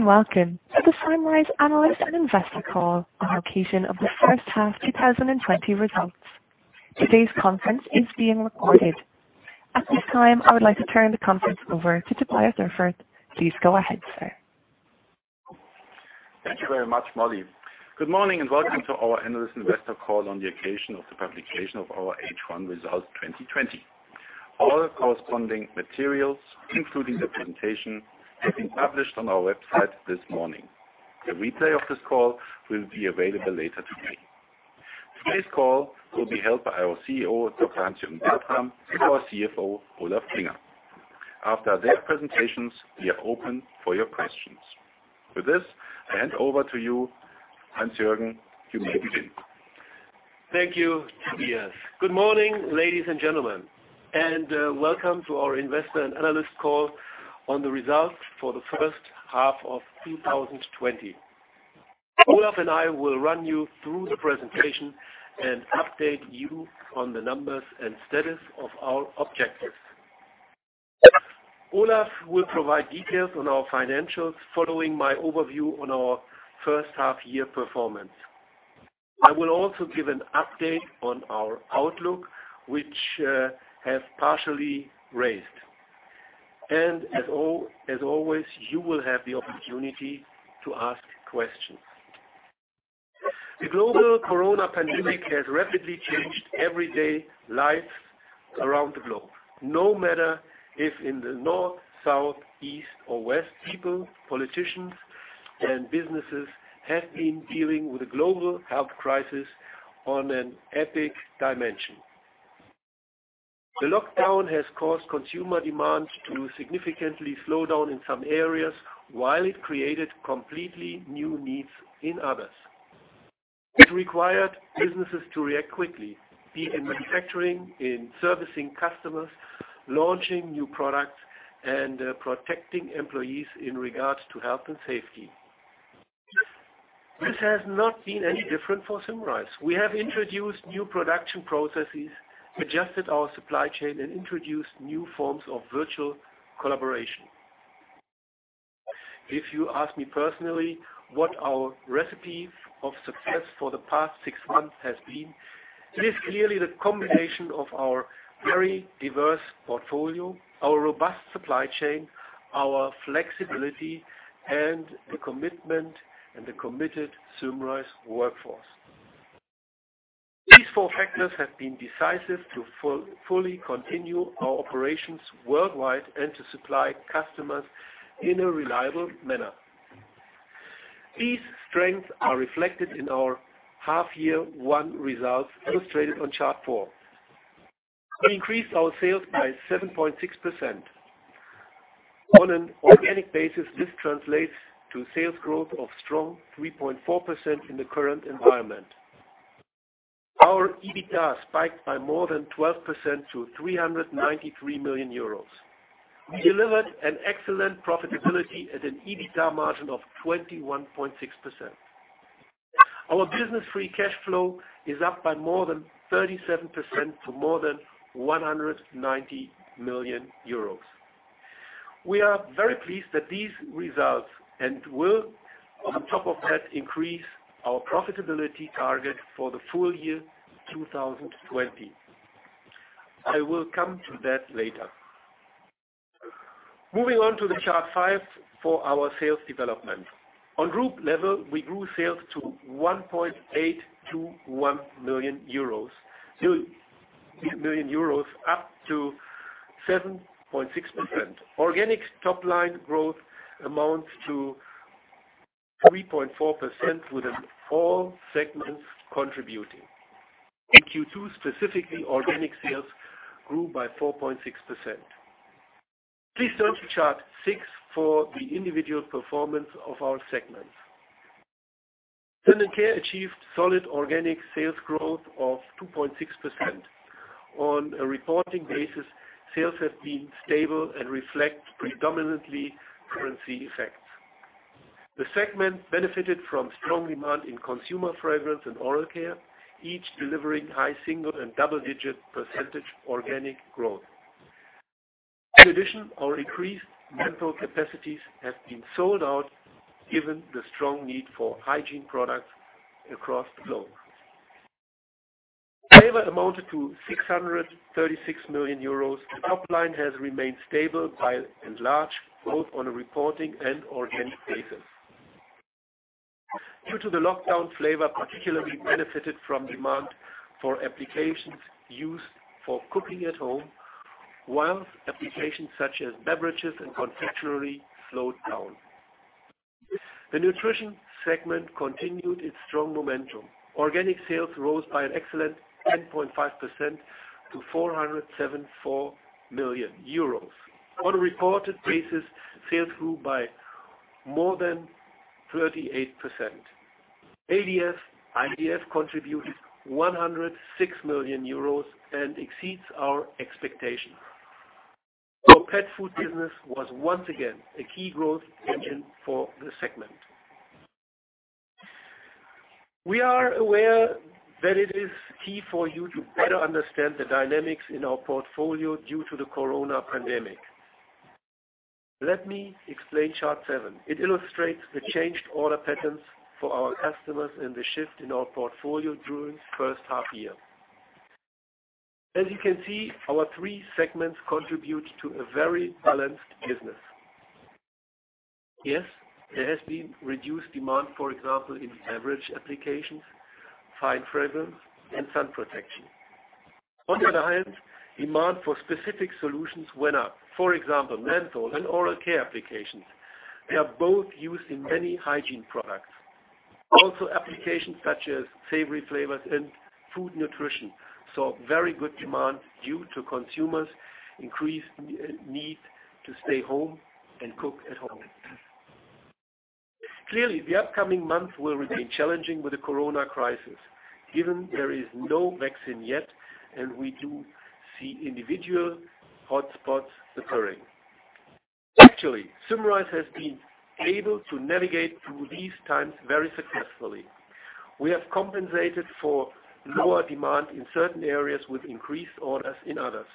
Good day and welcome to the Symrise Analyst and Investor Call on occasion of the first half 2020 results. Today's conference is being recorded. At this time, I would like to turn the conference over to Tobias Erfurth. Please go ahead, sir. Thank you very much, Molly. Good morning and welcome to our Analyst Investor call on the occasion of the publication of our H1 results 2020. All corresponding materials, including the presentation, have been published on our website this morning. The replay of this call will be available later today. Today's call will be held by our CEO, Dr. Heinz-Jürgen Bertram, and our CFO, Olaf Klinger. After their presentations, we are open for your questions. With this, I hand over to you, Heinz-Jürgen. You may begin. Thank you, Tobias. Good morning, ladies and gentlemen, and welcome to our Investor and Analyst call on the results for the first half of 2020. Olaf and I will run you through the presentation and update you on the numbers and status of our objectives. Olaf will provide details on our financials following my overview on our first half year performance. I will also give an update on our outlook, which has partially raised, and as always, you will have the opportunity to ask questions. The global COVID-19 pandemic has rapidly changed everyday life around the globe. No matter if in the north, south, east, or west, people, politicians, and businesses have been dealing with a global health crisis on an epic dimension. The lockdown has caused consumer demand to significantly slow down in some areas, while it created completely new needs in others. It required businesses to react quickly, be it in manufacturing, in servicing customers, launching new products, and protecting employees in regards to health and safety. This has not been any different for Symrise. We have introduced new production processes, adjusted our supply chain, and introduced new forms of virtual collaboration. If you ask me personally what our recipe of success for the past six months has been, it is clearly the combination of our very diverse portfolio, our robust supply chain, our flexibility, and the commitment and the committed Symrise workforce. These four factors have been decisive to fully continue our operations worldwide and to supply customers in a reliable manner. These strengths are reflected in our half year one results, illustrated on Chart Four. We increased our sales by 7.6%. On an organic basis, this translates to sales growth of strong 3.4% in the current environment. Our EBITDA spiked by more than 12% to 393 million euros. We delivered an excellent profitability at an EBITDA margin of 21.6%. Our business free cash flow is up by more than 37% to more than 190 million euros. We are very pleased at these results and will, on top of that, increase our profitability target for the full year 2020. I will come to that later. Moving on to the Chart Five for our sales development. On group level, we grew sales to 1.821 billion euros, up to 7.6%. Organic top-line growth amounts to 3.4% with all segments contributing. In Q2 specifically, organic sales grew by 4.6%. Please turn to Chart Six for the individual performance of our segments. Personal Care achieved solid organic sales growth of 2.6%. On a reporting basis, sales have been stable and reflect predominantly currency effects. The segment benefited from strong demand in consumer fragrance and oral care, each delivering high single and double-digit percentage organic growth. In addition, our increased menthol capacities have been sold out given the strong need for hygiene products across the globe. Flavor amounted to 636 million euros. The top line has remained stable by and large, both on a reporting and organic basis. Due to the lockdown, Flavor particularly benefited from demand for applications used for cooking at home, whilst applications such as beverages and confectionery slowed down. The Nutrition segment continued its strong momentum. Organic sales rose by an excellent 10.5% to 474 million euros. On a reported basis, sales grew by more than 38%. ADF/IDF contributed 106 million euros and exceeds our expectations. Our pet food business was once again a key growth engine for the segment. We are aware that it is key for you to better understand the dynamics in our portfolio due to the coronavirus pandemic. Let me explain Chart Seven. It illustrates the changed order patterns for our customers and the shift in our portfolio during the first half year. As you can see, our three segments contribute to a very balanced business. Yes, there has been reduced demand, for example, in beverage applications, Fine Fragrance, and sun protection. On the other hand, demand for specific solutions went up. For example, menthol and oral care applications. They are both used in many hygiene products. Also applications such as savory flavors and food nutrition, saw very good demand due to consumers' increased need to stay home and cook at home. Clearly, the upcoming months will remain challenging with the coronavirus crisis, given there is no vaccine yet, and we do see individual hotspots occurring. Actually, Symrise has been able to navigate through these times very successfully. We have compensated for lower demand in certain areas with increased orders in others.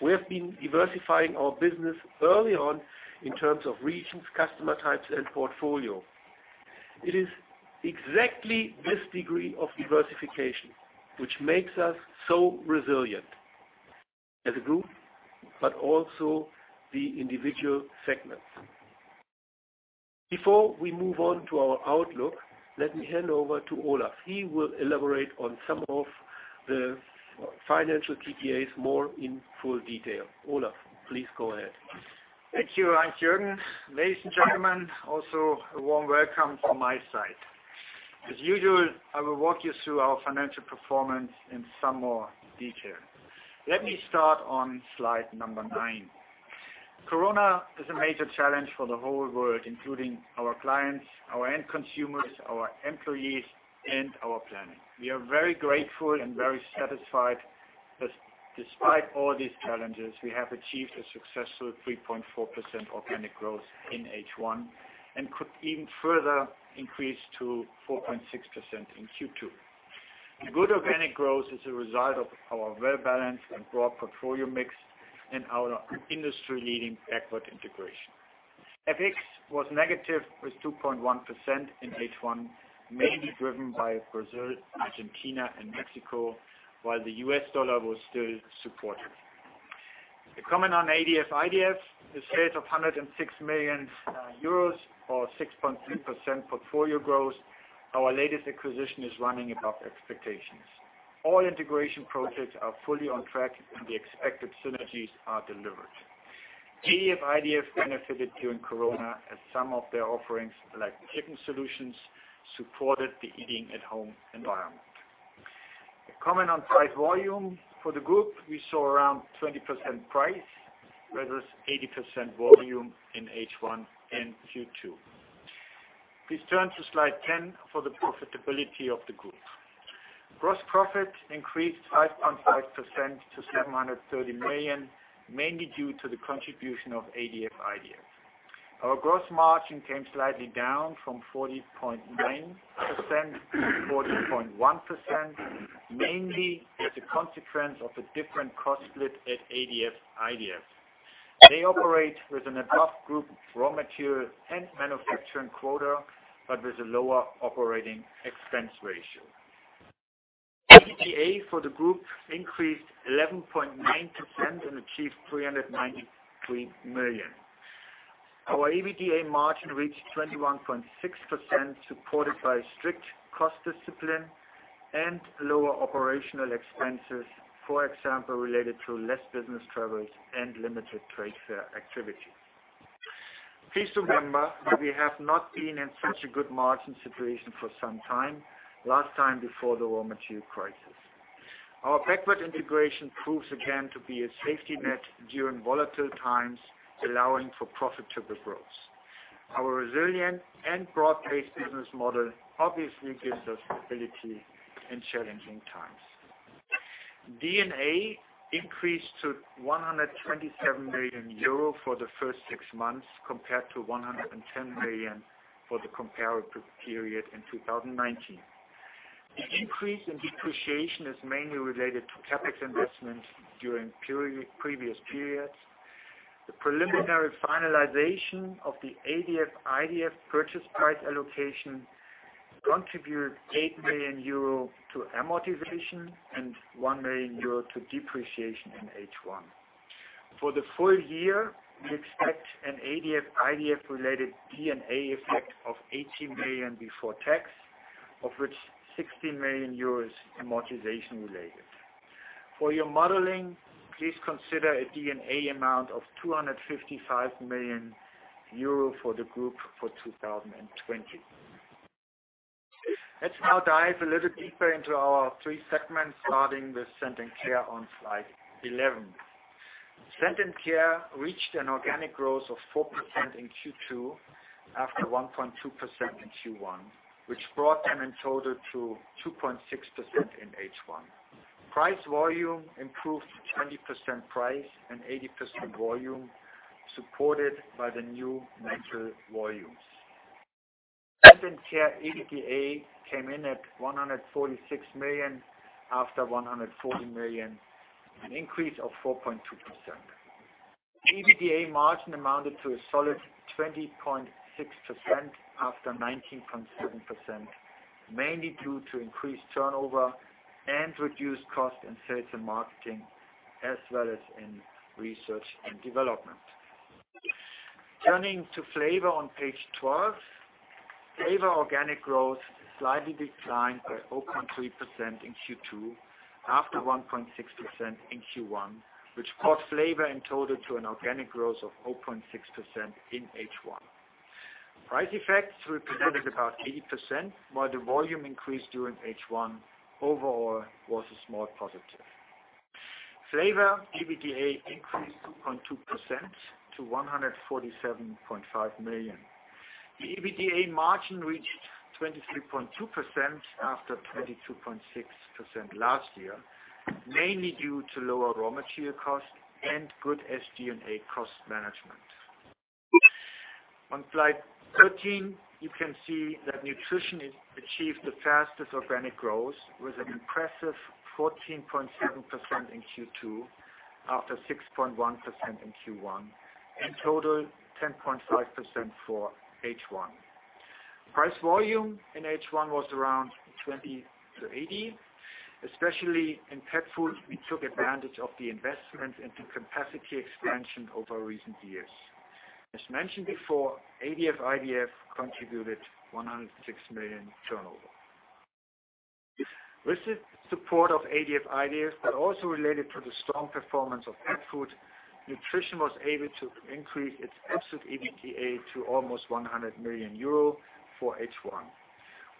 We have been diversifying our business early on in terms of regions, customer types, and portfolio. It is exactly this degree of diversification which makes us so resilient as a group, but also the individual segments. Before we move on to our outlook, let me hand over to Olaf. He will elaborate on some of the financial TPAs more in full detail. Olaf, please go ahead. Thank you, Heinz-Jürgen. Ladies and gentlemen, also a warm welcome from my side. As usual, I will walk you through our financial performance in some more detail. Let me start on slide number nine. Coronavirus is a major challenge for the whole world, including our clients, our end consumers, our employees, and our planning. We are very grateful and very satisfied that despite all these challenges, we have achieved a successful 3.4% organic growth in H1, and could even further increase to 4.6% in Q2. A good organic growth is a result of our well-balanced and broad portfolio mix and our industry-leading backward integration. FX was negative with 2.1% in H1, mainly driven by Brazil, Argentina, and Mexico, while the U.S. dollar was still supported. A comment on ADF/IDF, the sales of 106 million euros or 6.3% portfolio growth. Our latest acquisition is running above expectations. All integration projects are fully on track and the expected synergies are delivered. ADF/IDF benefited during coronavirus as some of their offerings, like kitchen solutions, supported the eating at home environment. A comment on price volume. For the group, we saw around 20% price versus 80% volume in H1 and Q2. Please turn to slide 10 for the profitability of the group. Gross profit increased 5.5% to 730 million, mainly due to the contribution of ADF/IDF. Our gross margin came slightly down from 40.9% to 40.1%, mainly as a consequence of a different cost split at ADF/IDF. They operate with an above group raw material and manufacturing quota, but with a lower operating expense ratio. EBITDA for the group increased 11.9% and achieved 393 million. Our EBITDA margin reached 21.6%, supported by strict cost discipline and lower operational expenses. For example, related to less business travelers and limited trade fair activities. Please remember that we have not been in such a good margin situation for some time, last time before the raw material crisis. Our backward integration proves again to be a safety net during volatile times, allowing for profitable growth. Our resilient and broad-based business model obviously gives us stability in challenging times. D&A increased to 127 million euro for the first six months, compared to 110 million for the comparable period in 2019. The increase in depreciation is mainly related to CapEx investments during previous periods. The preliminary finalization of the ADF/IDF purchase price allocation contributed 8 million euro to amortization and 1 million euro to depreciation in H1. For the full year, we expect an ADF/IDF related D&A effect of 18 million before tax, of which 16 million euros is amortization-related. For your modeling, please consider a D&A amount of 255 million euro for the group for 2020. Let's now dive a little deeper into our three segments, starting with Scent & Care on slide 11. Scent & Care reached an organic growth of 4% in Q2 after 1.2% in Q1, which brought them in total to 2.6% in H1. Price volume improved 20% price and 80% volume, supported by the new natural volumes. Scent & Care EBITDA came in at 146 million after 140 million, an increase of 4.2%. EBITDA margin amounted to a solid 20.6% after 19.7%, mainly due to increased turnover and reduced cost in sales and marketing, as well as in research and development. Turning to Flavor on page 12. Flavor organic growth slightly declined by 0.3% in Q2 after 1.6% in Q1, which brought Flavor in total to an organic growth of 0.6% in H1. Price effects represented about 80%, while the volume increase during H1 overall was a small positive. Flavor EBITDA increased 2.2% to 147.5 million. The EBITDA margin reached 23.2% after 22.6% last year, mainly due to lower raw material cost and good SG&A cost management. On slide 13, you can see that Nutrition achieved the fastest organic growth, with an impressive 14.7% in Q2 after 6.1% in Q1. In total, 10.5% for H1. Price volume in H1 was around 20-80. Especially in pet food, we took advantage of the investment into capacity expansion over recent years. As mentioned before, ADF/IDF contributed EUR 106 million turnover. With the support of ADF/IDF, but also related to the strong performance of pet food, Nutrition was able to increase its absolute EBITDA to almost 100 million euro for H1.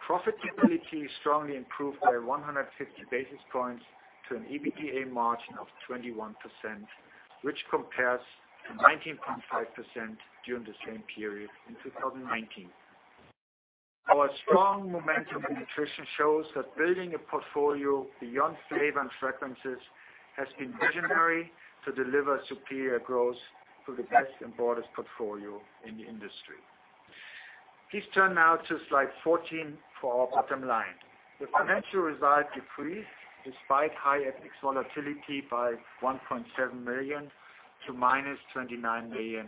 Profitability strongly improved by 150 basis points to an EBITDA margin of 21%, which compares to 19.5% during the same period in 2019. Our strong momentum in Nutrition shows that building a portfolio beyond flavors and fragrances has been visionary to deliver superior growth through the best and broadest portfolio in the industry. Please turn now to slide 14 for our bottom line. The financial result decreased despite high FX volatility by 1.7 million to minus 29 million,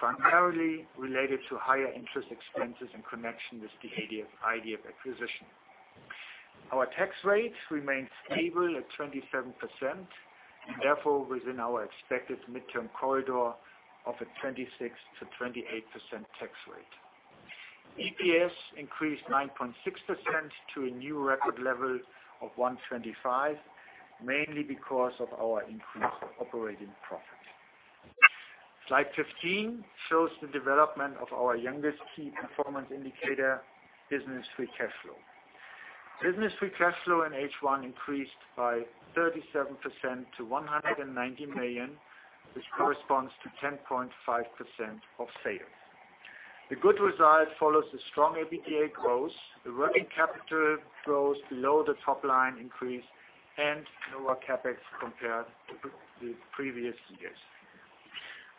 primarily related to higher interest expenses in connection with the ADF/IDF acquisition. Our tax rate remains stable at 27%, therefore within our expected midterm corridor of a 26%-28% tax rate. EPS increased 9.6% to a new record level of 125, mainly because of our increased operating profit. Slide 15 shows the development of our youngest key performance indicator, business free cash flow. Business free cash flow in H1 increased by 37% to 190 million, which corresponds to 10.5% of sales. The good result follows the strong EBITDA growth, the working capital growth below the top-line increase, and lower CapEx compared to the previous years.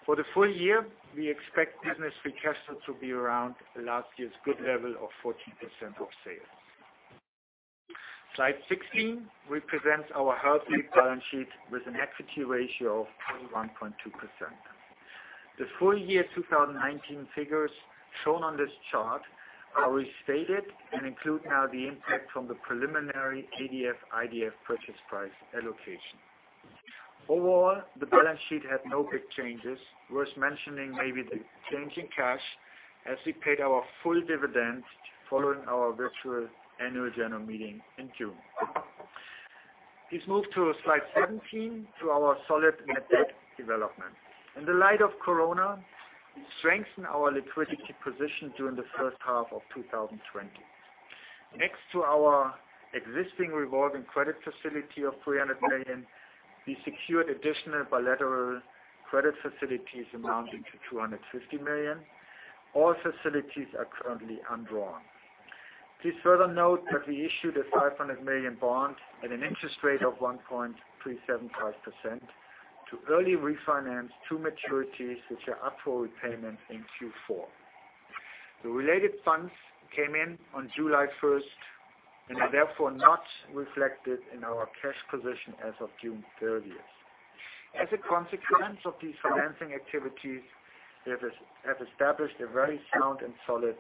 For the full year, we expect business free cash flow to be around last year's good level of 14% of sales. Slide 16 represents our healthy balance sheet with an equity ratio of 41.2%. The full year 2019 figures shown on this chart are restated and include now the impact from the preliminary ADF/IDF purchase price allocation. Overall, the balance sheet had no big changes. Worth mentioning, maybe the change in cash as we paid our full dividend following our virtual annual general meeting in June. Please move to slide 17 to our solid net debt development. In the light of Corona, strengthen our liquidity position during the first half of 2020. Next to our existing revolving credit facility of 300 million, we secured additional bilateral credit facilities amounting to 250 million. All facilities are currently undrawn. Please further note that we issued a 500 million bond at an interest rate of 1.375% to early refinance two maturities, which are up for repayment in Q4. The related funds came in on July 1st and are therefore not reflected in our cash position as of June 30th. As a consequence of these financing activities, we have established a very sound and solid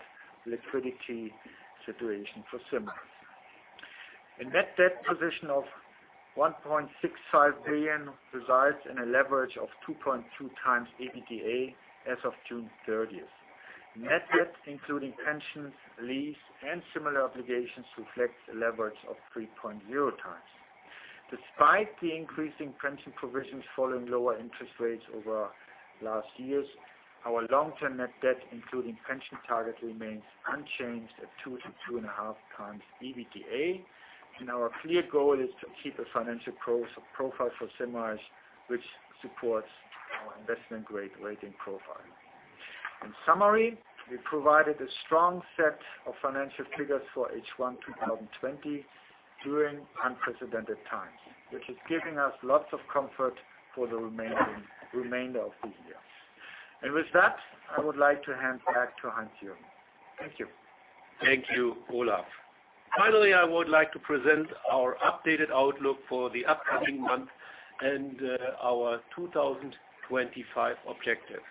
liquidity situation for Symrise. A net debt position of 1.65 billion results in a leverage of 2.2x EBITDA as of June 30th. Net debt, including pensions, lease, and similar obligations, reflects a leverage of 3.0x. Despite the increase in pension provisions following lower interest rates over last years, our long-term net debt, including pension target, remains unchanged at 2x-2.5x EBITDA. Our clear goal is to achieve a financial profile for Symrise which supports our investment-grade rating profile. In summary, we provided a strong set of financial figures for H1 2020 during unprecedented times, which is giving us lots of comfort for the remainder of the year. With that, I would like to hand back to Heinz-Jürgen. Thank you. Thank you, Olaf. Finally, I would like to present our updated outlook for the upcoming month and our 2025 objectives.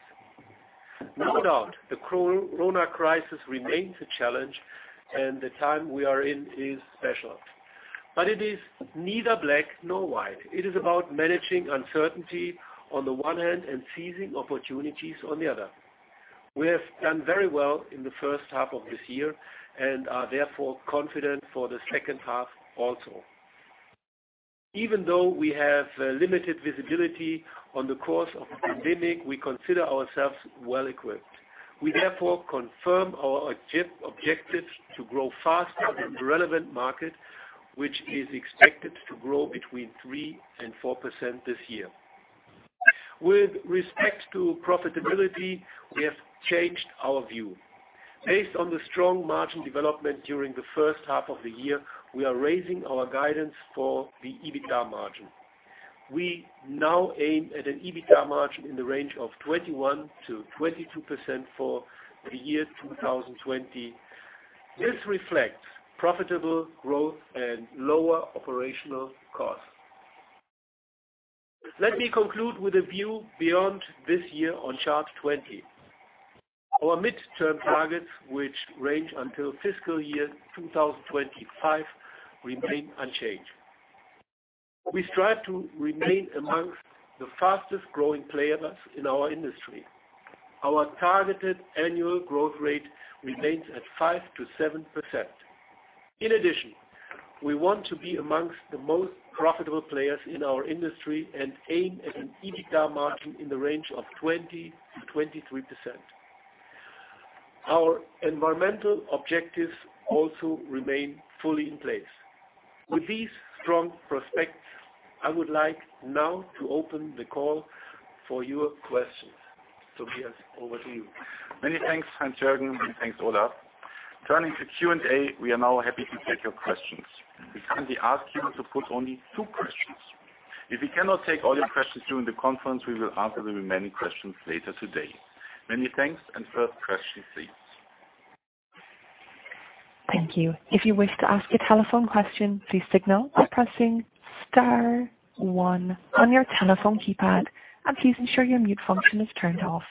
No doubt, the COVID-19 crisis remains a challenge, and the time we are in is special. It is neither black nor white. It is about managing uncertainty on the one hand and seizing opportunities on the other. We have done very well in the first half of this year and are therefore confident for the second half also. Even though we have limited visibility on the course of the pandemic, we consider ourselves well-equipped. We therefore confirm our objectives to grow faster than the relevant market, which is expected to grow between 3% and 4% this year. With respect to profitability, we have changed our view. Based on the strong margin development during the first half of the year, we are raising our guidance for the EBITDA margin. We now aim at an EBITDA margin in the range of 21%-22% for the year 2020. This reflects profitable growth and lower operational costs. Let me conclude with a view beyond this year on Chart 20. Our midterm targets, which range until fiscal year 2025, remain unchanged. We strive to remain amongst the fastest-growing players in our industry. Our targeted annual growth rate remains at 5%-7%. In addition, we want to be amongst the most profitable players in our industry and aim at an EBITDA margin in the range of 20%-23%. Our environmental objectives also remain fully in place. With these strong prospects, I would like now to open the call for your questions. Tobias, over to you. Many thanks, Heinz-Jürgen. Many thanks, Olaf. Turning to Q&A, we are now happy to take your questions. We kindly ask you to put only two questions. If we cannot take all your questions during the conference, we will answer the remaining questions later today. Many thanks. First question, please. Thank you. If you wish to ask a telephone question, please signal by pressing star one on your telephone keypad and please ensure your mute function is turned off.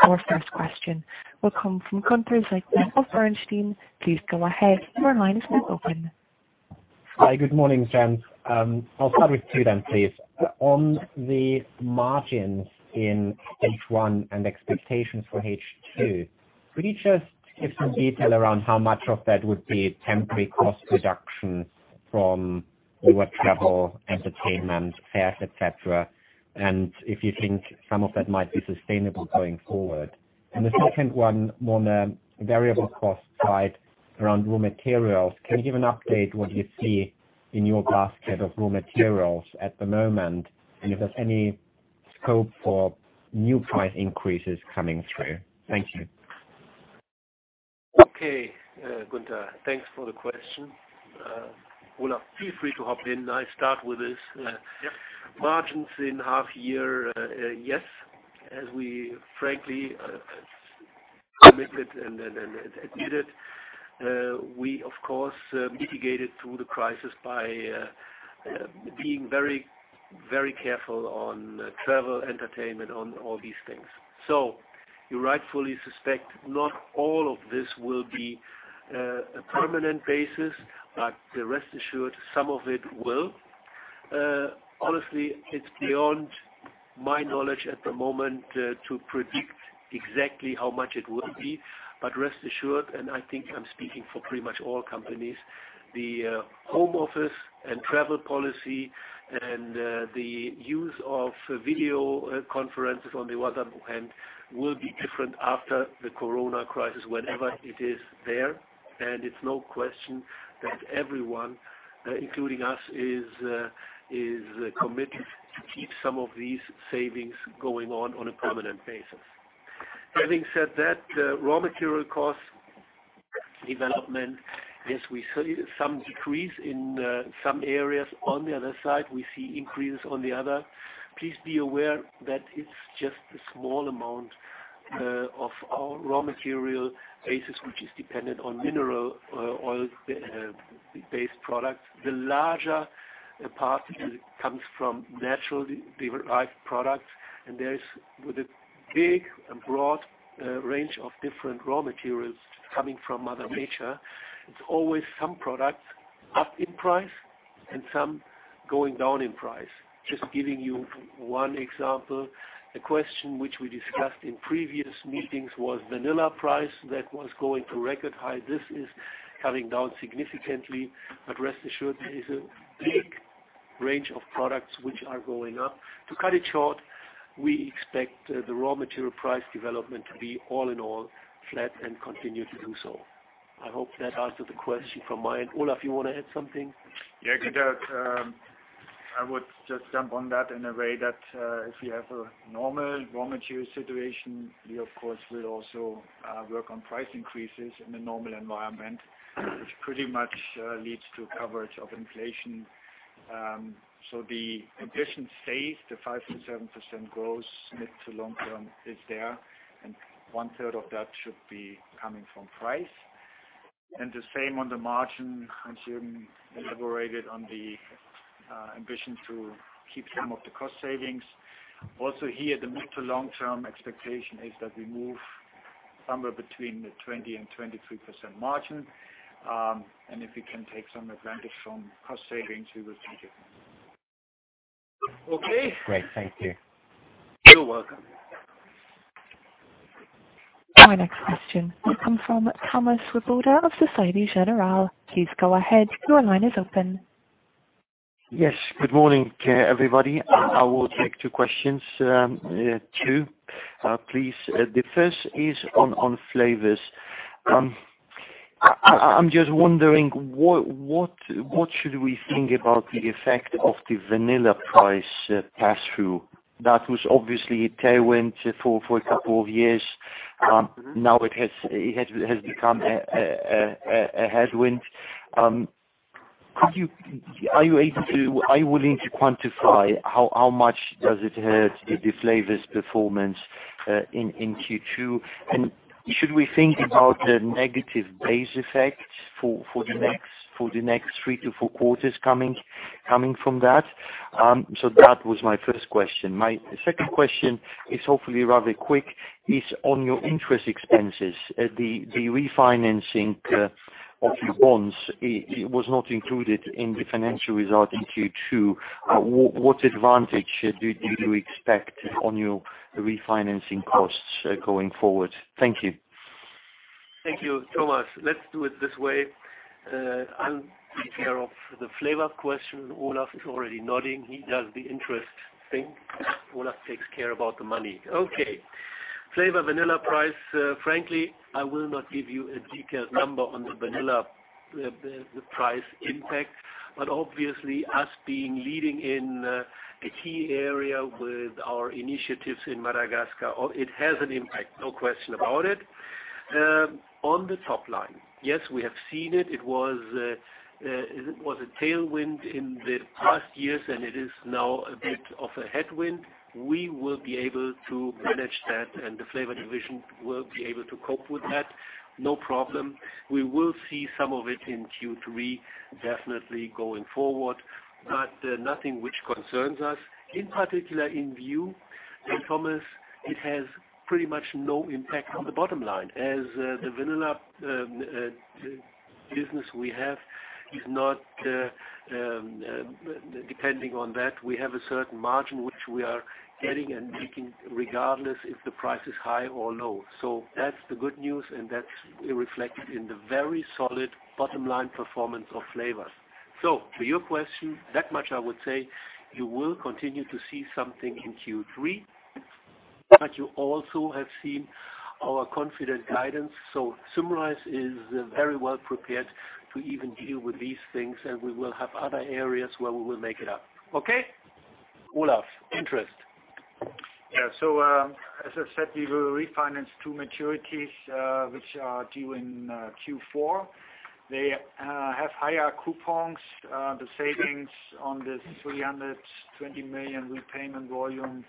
Our first question will come from Gunther Zechmann of Bernstein. Please go ahead. Your line is now open. Hi. Good morning, gents. I'll start with two then, please. On the margins in H1 and expectations for H2, could you just give some detail around how much of that would be temporary cost reduction from lower travel, entertainment, fares, et cetera, and if you think some of that might be sustainable going forward? The second one, more on the variable cost side around raw materials. Can you give an update what you see in your basket of raw materials at the moment, and if there's any scope for new price increases coming through? Thank you. Okay, Gunther. Thanks for the question. Olaf, feel free to hop in. I start with this. Yep. Margins in half year, yes. As we frankly committed and admitted, we of course mitigated through the crisis by being very careful on travel, entertainment, on all these things. You rightfully suspect not all of this will be a permanent basis, but rest assured, some of it will. Honestly, it's beyond my knowledge at the moment to predict exactly how much it will be. Rest assured, and I think I'm speaking for pretty much all companies, the home office and travel policy and the use of video conferences on the other hand will be different after the Corona crisis, whenever it is there. It's no question that everyone, including us, is committed to keep some of these savings going on a permanent basis. Having said that, raw material cost development, yes, we see some decrease in some areas. On the other side, we see increases on the other. Please be aware that it's just a small amount of our raw material basis which is dependent on mineral oil-based products. The larger part comes from naturally derived products, there is a big and broad range of different raw materials coming from Mother Nature. It's always some products up in price and some going down in price. Just giving you one example, a question which we discussed in previous meetings was vanilla price that was going to record high. This is coming down significantly. Rest assured, there is a big range of products which are going up. To cut it short, we expect the raw material price development to be all in all flat and continue to do so. I hope that answered the question from my end. Olaf, you want to add something? Yeah, Gunther, I would just jump on that in a way that if we have a normal raw material situation, we of course will also work on price increases in the normal environment, which pretty much leads to coverage of inflation. The ambition stays the 5%-7% growth, mid-to-long term is there, and one third of that should be coming from price. The same on the margin, Heinz-Jürgen elaborated on the ambition to keep some of the cost savings. Also here, the mid-to-long term expectation is that we move somewhere between the 20%-23% margin. If we can take some advantage from cost savings, we will take it. Okay. Great. Thank you. You're welcome. Our next question will come from Thomas Swoboda of Societe Generale. Please go ahead. Your line is open. Yes. Good morning, everybody. I will take two questions. Two, please. The first is on flavors. I'm just wondering, what should we think about the effect of the vanilla price pass-through that was obviously a tailwind for a couple of years. Now it has become a headwind. Are you willing to quantify how much does it hurt the flavors performance in Q2, and should we think about the negative base effect for the next three to four quarters coming from that? That was my first question. My second question is hopefully rather quick, is on your interest expenses. The refinancing of your bonds, it was not included in the financial results in Q2. What advantage do you expect on your refinancing costs going forward? Thank you. Thank you, Thomas. Let's do it this way. I'll take care of the flavor question. Olaf is already nodding. He does the interest thing. Olaf takes care about the money. Okay. Flavor, vanilla price. Frankly, I will not give you a detailed number on the vanilla price impact, but obviously us being leading in a key area with our initiatives in Madagascar, it has an impact, no question about it. On the top line, yes, we have seen it. It was a tailwind in the past years, and it is now a bit of a headwind. We will be able to manage that, and the Flavor division will be able to cope with that, no problem. We will see some of it in Q3, definitely going forward, but nothing which concerns us. In particular in view, and Thomas, it has pretty much no impact on the bottom line as the vanilla business we have is not depending on that. We have a certain margin which we are getting and making, regardless if the price is high or low. That's the good news, and that's reflected in the very solid bottom-line performance of Flavor. To your question, that much I would say, you will continue to see something in Q3, but you also have seen our confident guidance. Symrise is very well prepared to even deal with these things, and we will have other areas where we will make it up. Okay? Olaf, interest. Yeah. As I said, we will refinance two maturities, which are due in Q4. They have higher coupons. The savings on this 320 million repayment volume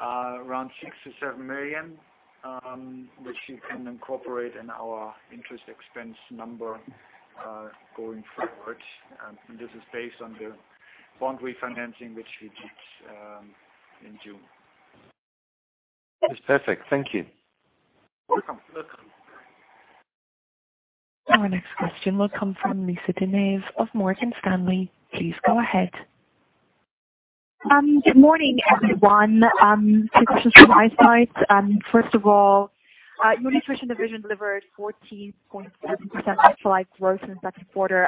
are around 67 million, which you can incorporate in our interest expense number, going forward. This is based on the bond refinancing, which we did in June. It's perfect. Thank you. Welcome. You're welcome. Our next question will come from Lisa De Neve of Morgan Stanley. Please go ahead. Good morning, everyone. Two questions from my side. First of all, your Nutrition division delivered 14.7% LFL growth in the second quarter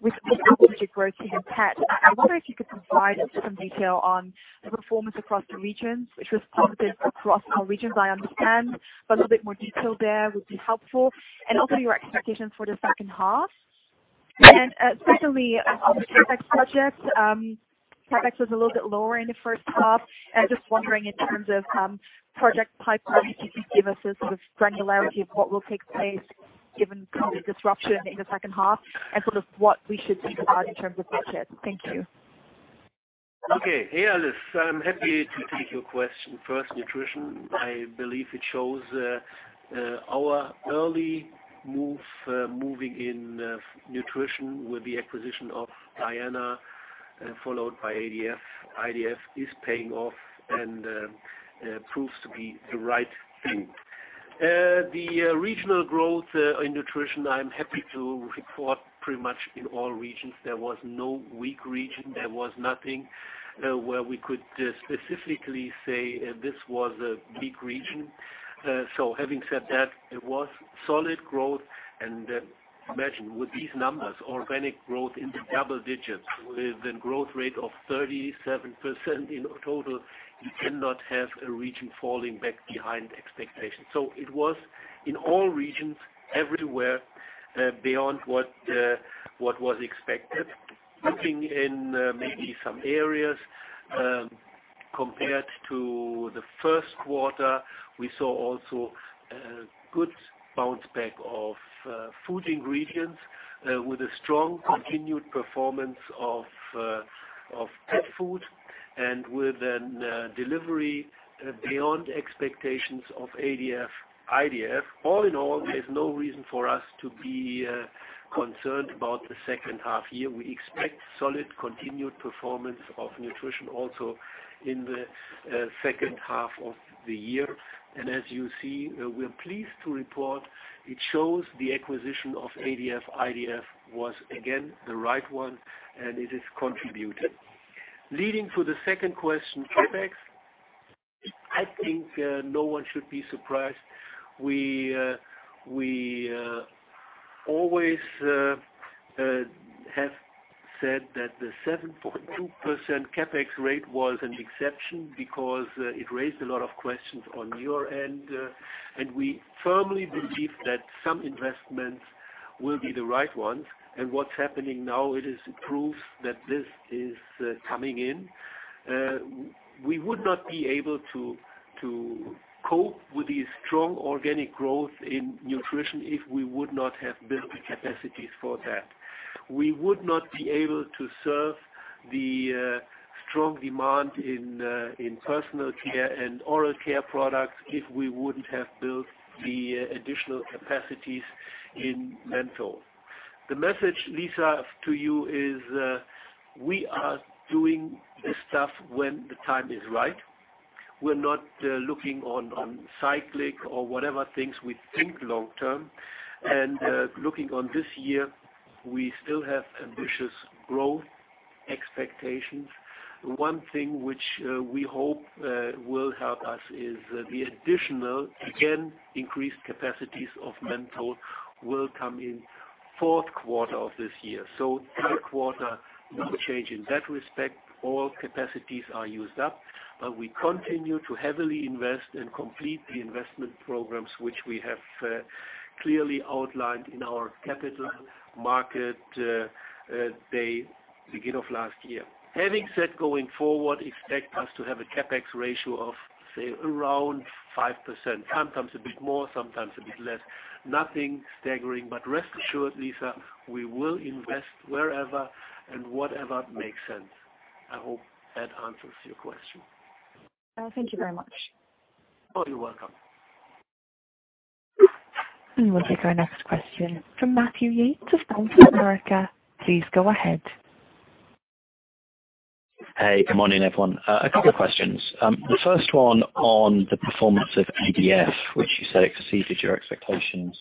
with double-digit growth even pet. I wonder if you could provide us with some detail on the performance across the regions, which was positive across all regions, I understand, but a little bit more detail there would be helpful. Also your expectations for the second half. Secondly, on the CapEx project. CapEx was a little bit lower in the first half. I am just wondering in terms of project pipeline, if you could give us a sort of granularity of what will take place given current disruption in the second half and sort of what we should think about in terms of budget. Thank you. Okay. Hey, Lisa. I'm happy to take your question. First, Nutrition. I believe it shows our early move, moving in Nutrition with the acquisition of Diana followed by ADF. ADF is paying off and proves to be the right thing. The regional growth in Nutrition, I am happy to report pretty much in all regions. There was no weak region. There was nothing where we could specifically say this was a weak region. Having said that, it was solid growth and imagine with these numbers, organic growth in the double digits with a growth rate of 37% in total, you cannot have a region falling back behind expectation. It was in all regions everywhere beyond what was expected. Okay. Looking in maybe some areas compared to the first quarter, we saw also a good bounce back of food ingredients. Okay continued performance of pet food and with a delivery beyond expectations of ADF/IDF. All in all, there's no reason for us to be concerned about the second half year. We expect solid continued performance of Nutrition also in the second half of the year. As you see, we are pleased to report it shows the acquisition of ADF/IDF was again the right one, and it is contributing. Leading to the second question, CapEx, I think no one should be surprised. We always have said that the 7.2% CapEx rate was an exception because it raised a lot of questions on your end, and we firmly believe that some investments will be the right ones. What's happening now, it is proof that this is coming in. We would not be able to cope with the strong organic growth in Nutrition if we would not have built the capacities for that. We would not be able to serve the strong demand in personal care and oral care products if we wouldn't have built the additional capacities in menthol. The message, Lisa, to you is we are doing this stuff when the time is right. We're not looking on cyclic or whatever things. We think long-term, and looking on this year, we still have ambitious growth expectations. One thing which we hope will help us is the additional, again, increased capacities of menthol will come in fourth quarter of this year. Third quarter, no change in that respect. All capacities are used up. We continue to heavily invest and complete the investment programs which we have clearly outlined in our capital market day, beginning of last year. Having said going forward, expect us to have a CapEx ratio of, say, around 5%, sometimes a bit more, sometimes a bit less. Nothing staggering, but rest assured, Lisa, we will invest wherever and whatever makes sense. I hope that answers your question. Thank you very much. Oh, you're welcome. We'll take our next question from Matthew Yates of Bank of America. Please go ahead. Hey, good morning, everyone. A couple of questions. The first one on the performance of ADF, which you said exceeded your expectations.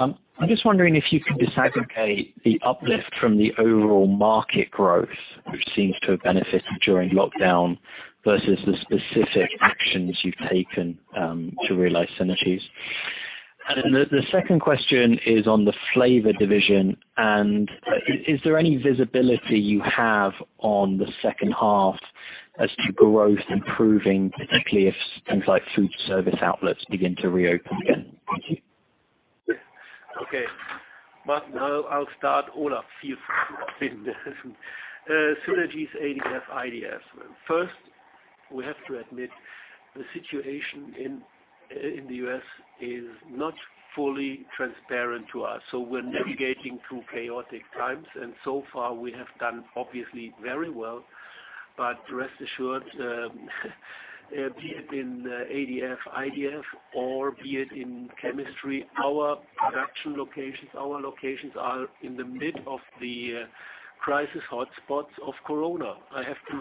I am just wondering if you can disaggregate the uplift from the overall market growth, which seems to have benefited during lockdown, versus the specific actions you have taken to realize synergies. The second question is on the Flavor division, and is there any visibility you have on the second half as to growth improving, particularly if things like food service outlets begin to reopen again? Okay. Matthew, I'll start. Olaf, feel free to jump in. Synergies, ADF/IDF. First, we have to admit the situation in the U.S. is not fully transparent to us, so we're navigating through chaotic times, and so far we have done obviously very well. Rest assured, be it in ADF/IDF or be it in chemistry, our production locations, our locations are in the mid of the crisis hotspots of corona. I have to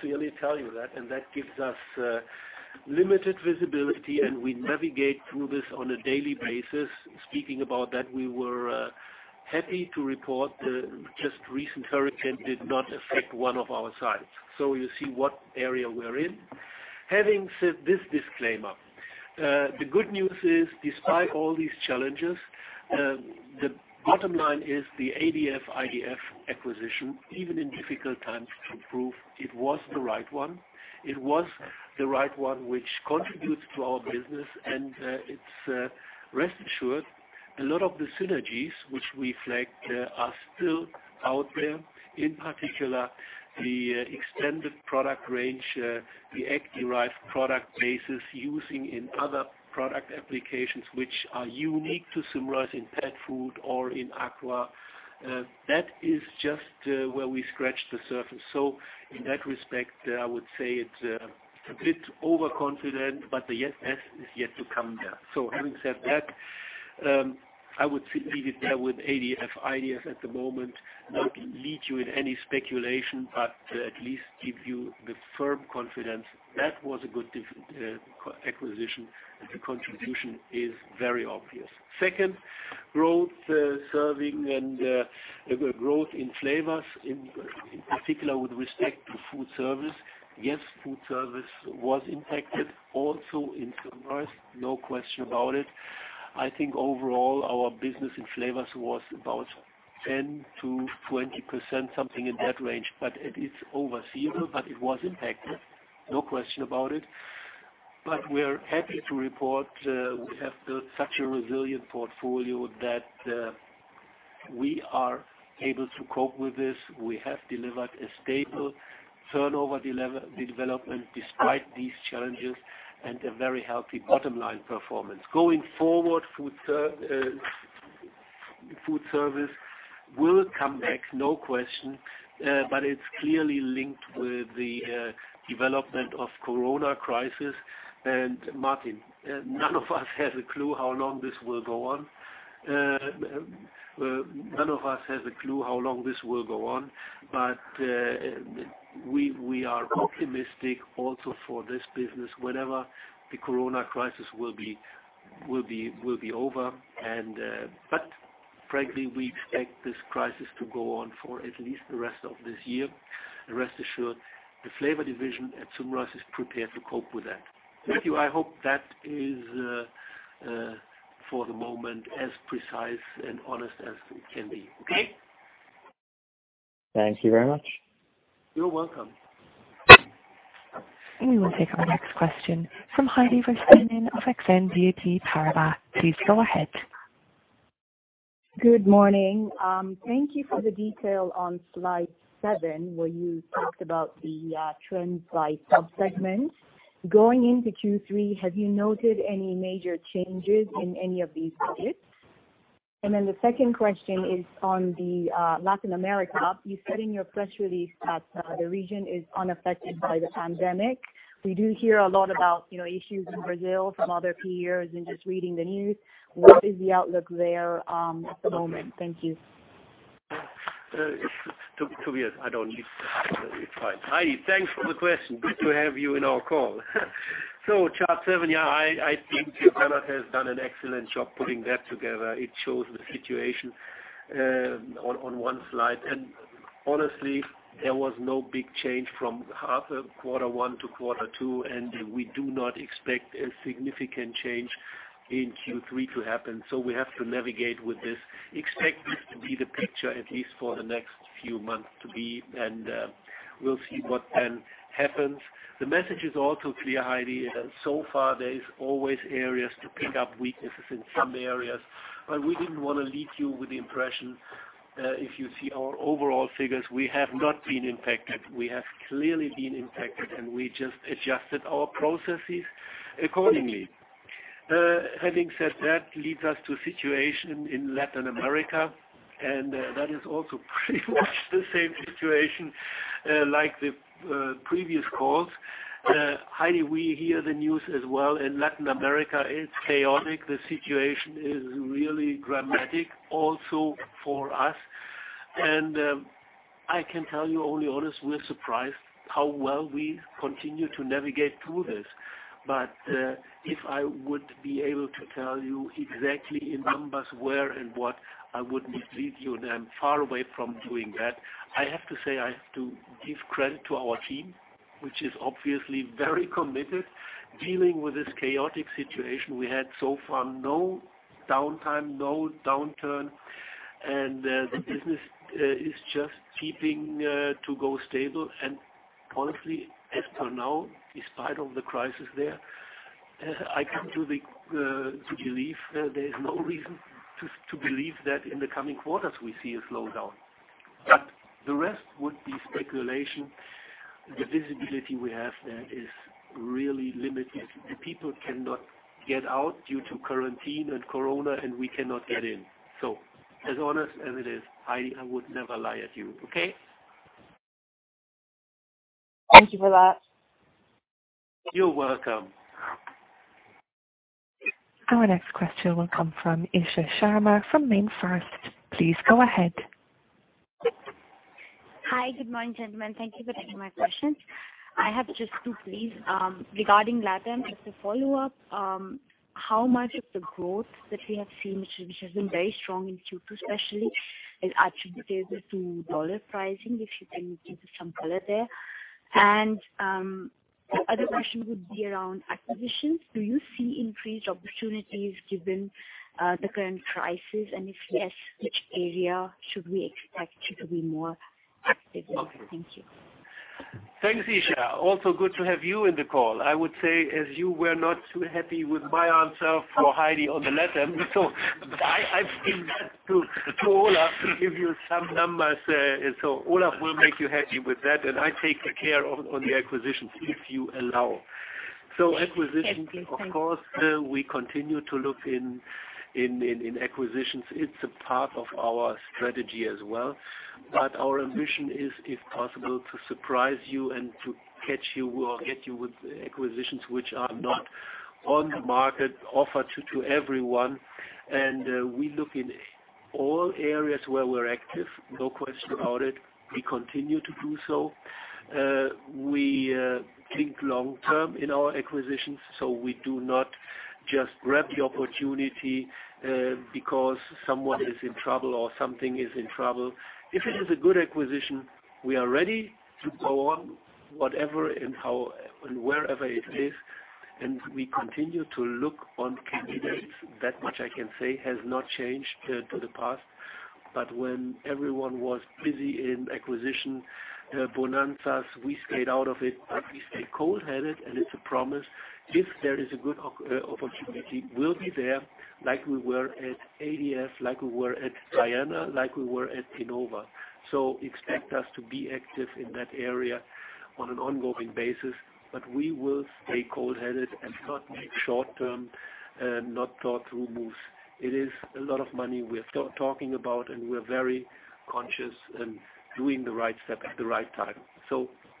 clearly tell you that, and that gives us limited visibility, and we navigate through this on a daily basis. Speaking about that, we were happy to report just recent hurricane did not affect one of our sites. You see what area we're in. Having said this disclaimer, the good news is, despite all these challenges, the bottom line is the ADF/IDF acquisition, even in difficult times, proved it was the right one. It was the right one, which contributes to our business. Rest assured, a lot of the synergies which we flagged are still out there. In particular, the extended product range, the act derive product bases using in other product applications, which are unique to Symrise in pet food or in aqua. That is just where we scratch the surface. In that respect, I would say it a bit overconfident, but the best is yet to come there. Having said that, I would leave it there with ADF/IDF at the moment, not lead you in any speculation. At least give you the firm confidence that was a good acquisition and the contribution is very obvious. Second, growth serving and growth in Flavor in particular with respect to food service. Yes, food service was impacted also in Symrise, no question about it. I think overall, our business in Flavor was about 10%-20%, something in that range. It is overseable, but it was impacted, no question about it. We are happy to report we have built such a resilient portfolio that we are able to cope with this. We have delivered a stable turnover development despite these challenges and a very healthy bottom-line performance. Going forward, food service will come back, no question, but it's clearly linked with the development of corona crisis. Matthew, none of us has a clue how long this will go on. We are optimistic also for this business, whenever the corona crisis will be over. Frankly, we expect this crisis to go on for at least the rest of this year. Rest assured, the Flavor division at Symrise is prepared to cope with that. Matthew, I hope that is, for the moment, as precise and honest as it can be. Okay? Thank you very much. You're welcome. We will take our next question from Heidi Vesterinen of Exane BNP Paribas. Please go ahead. Good morning. Thank you for the detail on slide seven, where you talked about the trends by sub-segments. Going into Q3, have you noted any major changes in any of these segments? The second question is on Latin America. You said in your press release that the region is unaffected by the pandemic. We do hear a lot about issues in Brazil from other peers and just reading the news. What is the outlook there at the moment? Thank you. To be honest, I don't need. It's fine. Heidi, thanks for the question. Good to have you in our call. Chart seven, I think Joanna has done an excellent job putting that together. It shows the situation on one slide. Honestly, there was no big change from half of quarter one to quarter two, and we do not expect a significant change in Q3 to happen. We have to navigate with this, expect this to be the picture, at least for the next few months to be, and we'll see what then happens. The message is also clear, Heidi, that so far there is always areas to pick up weaknesses in some areas, but we didn't want to leave you with the impression, if you see our overall figures, we have not been impacted. We have clearly been impacted, and we just adjusted our processes accordingly. Having said that, leads us to situation in Latin America, and that is also pretty much the same situation like the previous calls. Heidi, we hear the news as well. In Latin America, it's chaotic. The situation is really dramatic also for us. I can tell you only honest, we are surprised how well we continue to navigate through this. If I would be able to tell you exactly in numbers where and what, I would mislead you, and I'm far away from doing that. I have to say, I have to give credit to our team, which is obviously very committed dealing with this chaotic situation. We had so far no downtime, no downturn, and the business is just keeping to go stable. Honestly, as for now, despite all the crisis there, I come to believe there is no reason to believe that in the coming quarters we see a slowdown. The rest would be speculation. The visibility we have there is really limited. The people cannot get out due to quarantine and corona, and we cannot get in. As honest as it is, Heidi, I would never lie at you, okay. Thank you for that. You're welcome. Our next question will come from Isha Sharma from MainFirst. Please go ahead. Hi. Good morning, gentlemen. Thank you for taking my questions. I have just two, please. Regarding LatAm, just a follow-up. How much of the growth that we have seen, which has been very strong in Q2 especially, is attributable to dollar pricing, if you can give us some color there? The other question would be around acquisitions. Do you see increased opportunities given the current crisis? If yes, which area should we expect you to be more active in? Thank you. Thanks, Isha. Good to have you in the call. I would say, as you were not too happy with my answer for Heidi on the LatAm, I leave that to Olaf to give you some numbers. Olaf will make you happy with that, and I take care of the acquisitions if you allow. Yes, please. Thank you. Acquisitions, of course, we continue to look in acquisitions. It's a part of our strategy as well. Our ambition is, if possible, to surprise you and to catch you or get you with acquisitions which are not on the market offered to everyone. We look in all areas where we're active, no question about it. We continue to do so. We think long-term in our acquisitions, so we do not just grab the opportunity because someone is in trouble or something is in trouble. If it is a good acquisition, we are ready to go on whatever and wherever it is, and we continue to look on candidates. That much I can say has not changed to the past. When everyone was busy in acquisition bonanzas, we stayed out of it, but we stayed cold-headed, and it's a promise. If there is a good opportunity, we'll be there like we were at ADF, like we were at Diana, like we were at Pinova. Expect us to be active in that area on an ongoing basis. We will stay cold-headed and not make short-term, not thought-through moves. It is a lot of money we are talking about, and we're very conscious and doing the right step at the right time.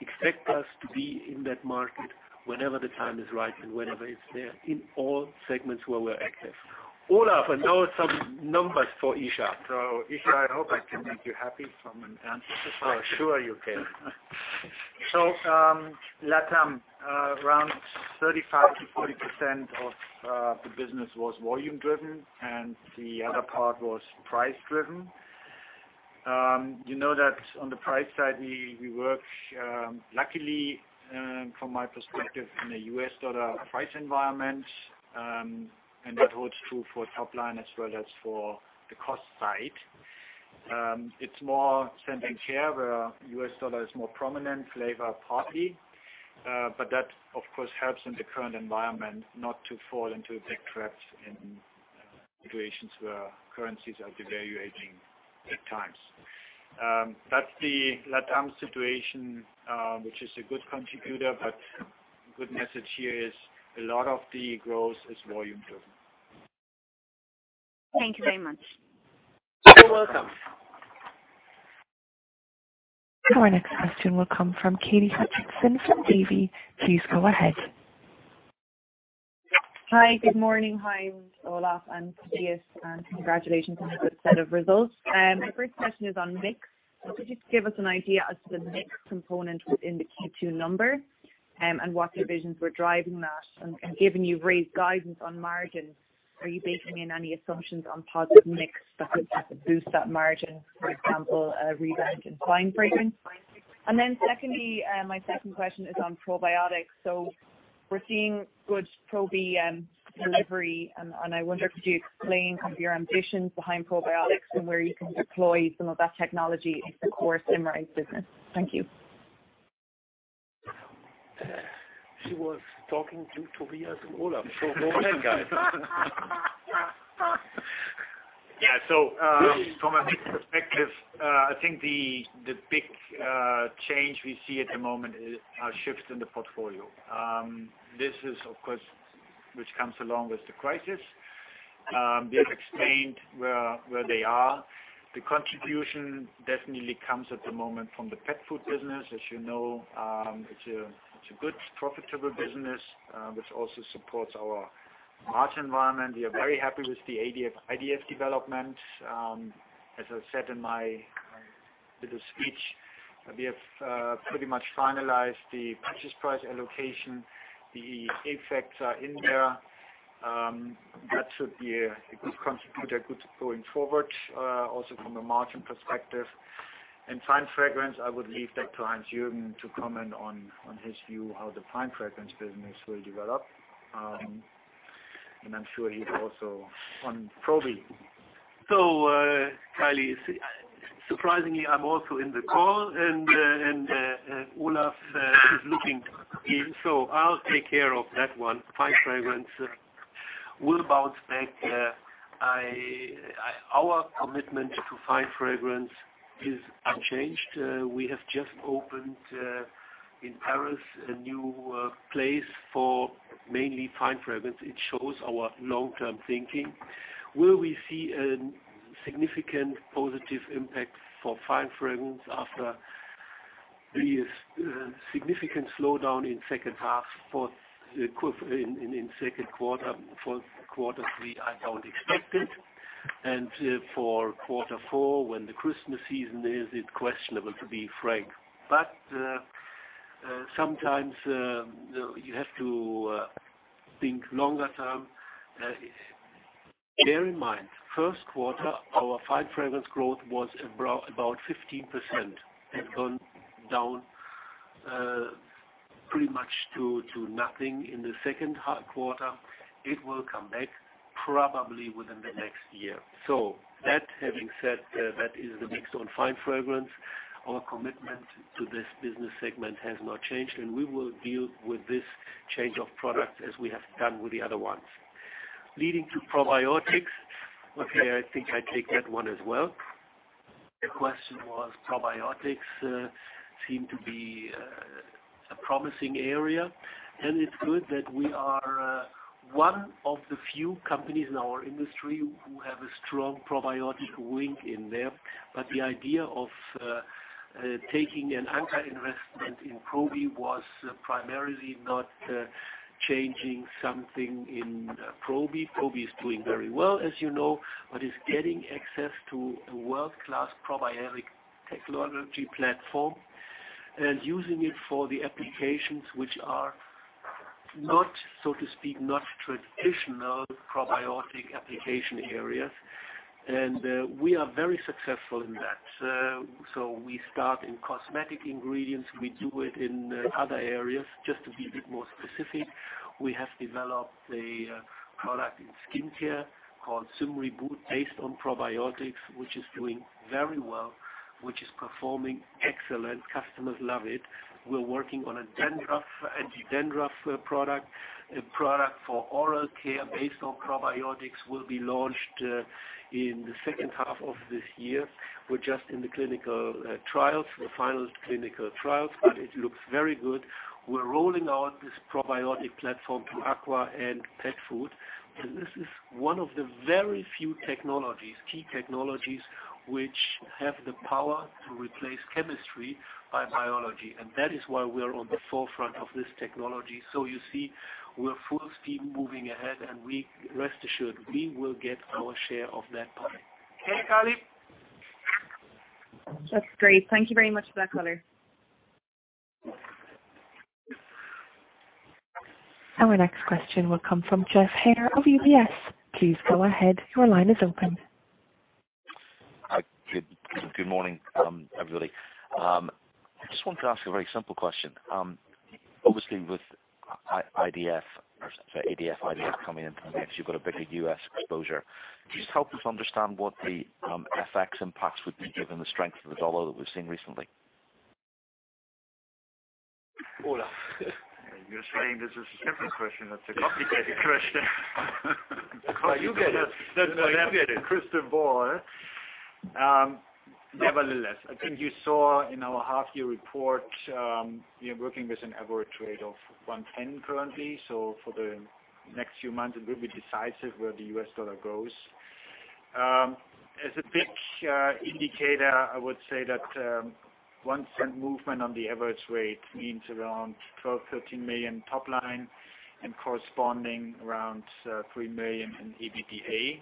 Expect us to be in that market whenever the time is right and whenever it's there in all segments where we're active. Olaf, and now some numbers for Isha. Isha, I hope I can make you happy from an answer perspective. Oh, sure you can. LATAM, around 35%-40% of the business was volume-driven and the other part was price-driven. You know that on the price side, we work luckily, from my perspective, in a U.S. dollar price environment. That holds true for top line as well as for the cost side. It's more sentencing here, where U.S. dollar is more prominent, flavor partly. That, of course, helps in the current environment not to fall into big traps in situations where currencies are devaluating at times. That's the LATAM situation, which is a good contributor, but the good message here is a lot of the growth is volume-driven. Thank you very much. You're welcome. Our next question will come from Katie Hodgkinson from JP. Please go ahead. Hi. Good morning. Hi, Olaf and Tobias, congratulations on the good set of results. My first question is on mix. Could you just give us an idea as to the mix component within the Q2 number and what revisions were driving that? Given you've raised guidance on margin, are you baking in any assumptions on positive mix that would boost that margin, for example, rebound in Fine Fragrance? Secondly, my second question is on probiotics. We're seeing good Probi delivery, and I wonder, could you explain your ambitions behind probiotics and where you can deploy some of that technology in the core Symrise business? Thank you. She was talking to Tobias and Olaf. Go ahead, guys. Yeah. From a mix perspective, I think the big change we see at the moment are shifts in the portfolio. This is, of course, which comes along with the crisis. We have explained where they are. The contribution definitely comes at the moment from the pet food business. As you know, it's a good, profitable business, which also supports our margin environment. We are very happy with the ADF development. As I said in my little speech, we have pretty much finalized the purchase price allocation. The effects are in there. That should be a good contributor going forward, also from a margin perspective. Fine Fragrance, I would leave that to Heinz-Jürgen to comment on his view how the Fine Fragrance business will develop. I'm sure he's also on Probi. Katie, surprisingly, I am also in the call, and Olaf is looking ill, so I will take care of that one. Fine Fragrance will bounce back. Our commitment to Fine Fragrance is unchanged. We have just opened, in Paris, a new place for mainly Fine Fragrance. It shows our long-term thinking. Will we see a significant positive impact for Fine Fragrance after the significant slowdown in second quarter for quarter three? I do not expect it. For quarter four, when the Christmas season is, it is questionable, to be frank. Sometimes, you have to think longer term. Bear in mind, first quarter, our Fine Fragrance growth was about 15%. It has gone down pretty much to nothing in the second quarter. It will come back probably within the next year. That having said, that is the mix on Fine Fragrance. Our commitment to this business segment has not changed, and we will deal with this change of product as we have done with the other ones. Leading to probiotics. Okay, I think I take that one as well. The question was, probiotics seem to be a promising area, and it's good that we are one of the few companies in our industry who have a strong probiotic wing in there. The idea of taking an anchor investment in Probi was primarily not changing something in Probi. Probi is doing very well, as you know, but it's getting access to a world-class probiotic technology platform and using it for the applications which are not, so to speak, not traditional probiotic application areas. We are very successful in that. We start in cosmetic ingredients. We do it in other areas. Just to be a bit more specific, we have developed a product in skincare called SymReboot, based on probiotics, which is doing very well. Which is performing excellent. Customers love it. We're working on an anti-dandruff product. A product for oral care based on probiotics will be launched in the second half of this year. We're just in the final clinical trials, but it looks very good. We're rolling out this probiotic platform to aqua and pet food, and this is one of the very few key technologies which have the power to replace chemistry by biology, and that is why we are on the forefront of this technology. You see, we're full speed moving ahead, and rest assured, we will get our share of that pie. Okay, Katie? That's great. Thank you very much for that, Klinger. Our next question will come from Geoff Haire of UBS. Please go ahead. Your line is open. Hi. Good morning, everybody. I just wanted to ask a very simple question. Obviously, with ADF, IDF coming in from next, you've got a bigger U.S. exposure. Could you just help us understand what the effects, impacts would be given the strength of the dollar that we've seen recently? Olaf. You're saying this is a simple question. That's a complicated question. You get it. That is the crystal ball. I think you saw in our half-year report, we are working with an average rate of 110 currently. For the next few months, it will be decisive where the US dollar goes. As a big indicator, I would say that a $0.01 movement on the average rate means around $12 million-$13 million top line and corresponding around $3 million in EBITDA.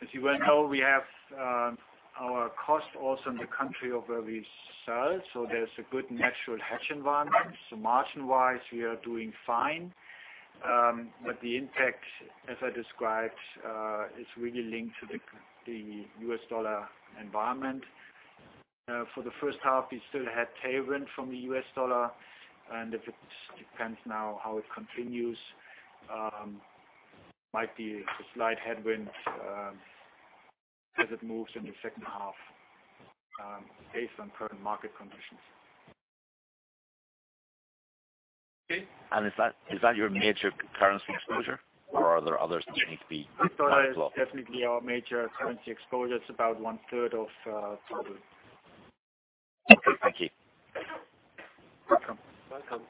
As you well know, we have our cost also in the country of where we sell. There is a good natural hedge environment. Margin-wise, we are doing fine. The impact, as I described, is really linked to the US dollar environment. For the first half, we still had tailwind from the US dollar, and it depends now how it continues. Might be a slight headwind as it moves in the second half based on current market conditions. Okay. Is that your major currency exposure, or are there others that need to be? Dollar is definitely our major currency exposure. It's about one third of total. Okay. Thank you. You're welcome.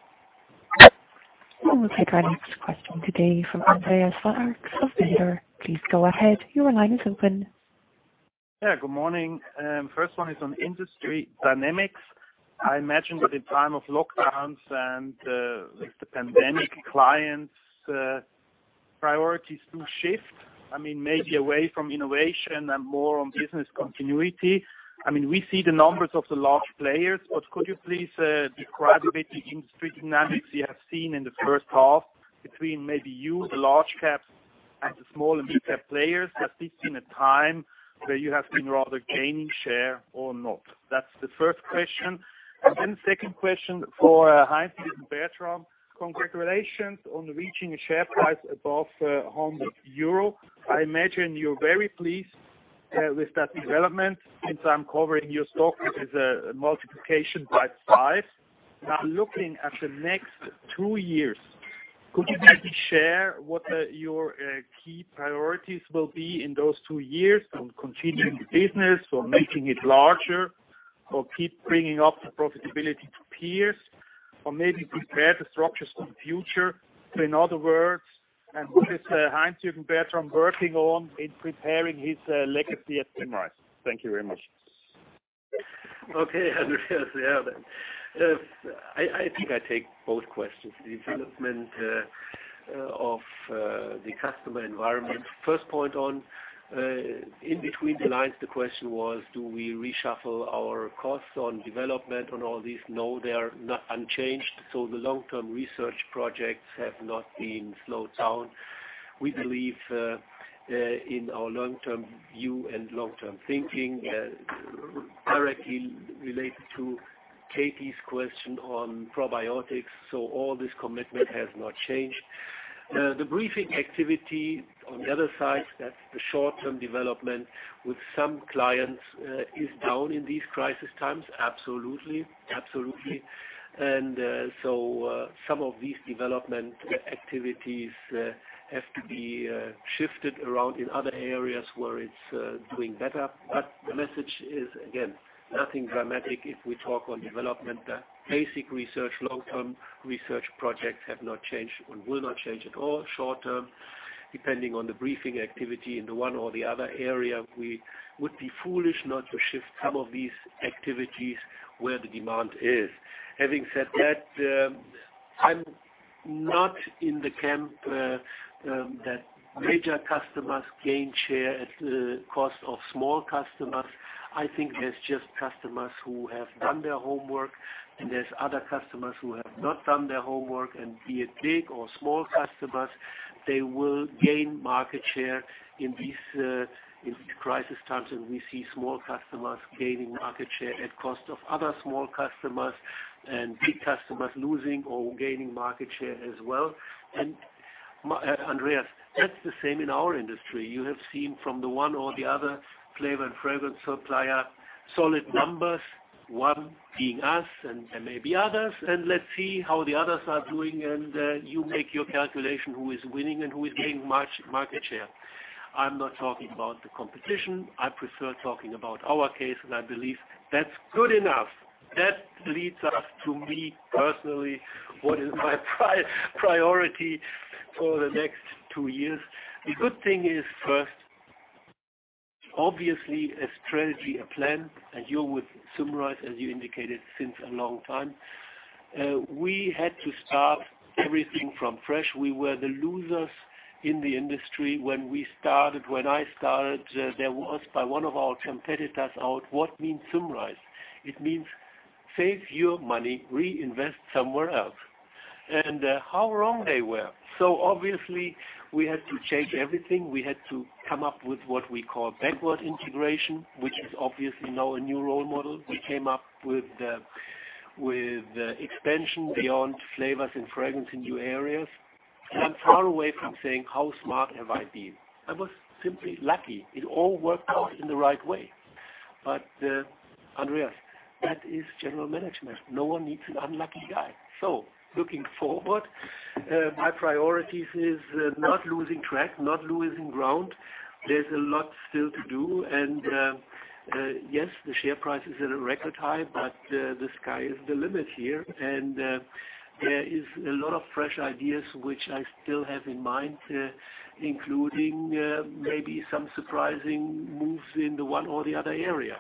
We'll take our next question today from Andreas von Arx of ZKB. Please go ahead. Your line is open. Yeah, good morning. First one is on industry dynamics. I imagine that in time of lockdowns and with the pandemic, clients' priorities do shift, maybe away from innovation and more on business continuity. We see the numbers of the large players, but could you please describe a bit the industry dynamics you have seen in the first half between maybe you, the large caps, and the small and mid-cap players, especially in a time where you have been rather gaining share or not? That's the first question. The second question for Heinz-Jürgen Bertram. Congratulations on reaching a share price above 100 euro. I imagine you're very pleased with that development. Since I'm covering your stock, it is a multiplication by five. Looking at the next two years, could you maybe share what your key priorities will be in those two years on continuing the business or making it larger, or keep bringing up the profitability to peers, or maybe prepare the structures for the future? In other words, what is Heinz-Jürgen Bertram working on in preparing his legacy at Symrise? Thank you very much. Okay, Andreas. Yeah. I think I take both questions. The development of the customer environment. First point on, in between the lines, the question was do we reshuffle our costs on development on all these? They are unchanged, so the long-term research projects have not been slowed down. We believe in our long-term view and long-term thinking, directly related to Katie's question on probiotics, so all this commitment has not changed. The briefing activity, on the other side, that's the short-term development with some clients is down in these crisis times, absolutely. Some of these development activities have to be shifted around in other areas where it's doing better. The message is, again, nothing dramatic if we talk on development. Basic research, long-term research projects have not changed and will not change at all. Short-term, depending on the briefing activity in the one or the other area, we would be foolish not to shift some of these activities where the demand is. Having said that, I'm not in the camp that major customers gain share at the cost of small customers. I think there's just customers who have done their homework and there's other customers who have not done their homework, and be it big or small customers, they will gain market share in these crisis times. We see small customers gaining market share at cost of other small customers and big customers losing or gaining market share as well. Andreas, that's the same in our industry. You have seen from the one or the other flavor and fragrance supplier, solid numbers, one being us and maybe others. Let's see how the others are doing, and you make your calculation who is winning and who is gaining market share. I'm not talking about the competition. I prefer talking about our case, and I believe that's good enough. That leads us to me personally, what is my priority for the next two years. The good thing is, first, obviously a strategy, a plan, and you with Symrise, as you indicated, since a long time. We had to start everything from fresh. We were the losers in the industry when we started. When I started, there was by one of our competitors out, what means Symrise? It means save your money, reinvest somewhere else. How wrong they were. Obviously we had to change everything. We had to come up with what we call backward integration, which is obviously now a new role model. We came up with the expansion beyond flavors and fragrance in new areas. I'm far away from saying how smart have I been. I was simply lucky. It all worked out in the right way. Andreas, that is general management. No one needs an unlucky guy. Looking forward, my priorities is not losing track, not losing ground. There's a lot still to do, and yes, the share price is at a record high, but the sky is the limit here. There is a lot of fresh ideas which I still have in mind, including maybe some surprising moves in the one or the other area.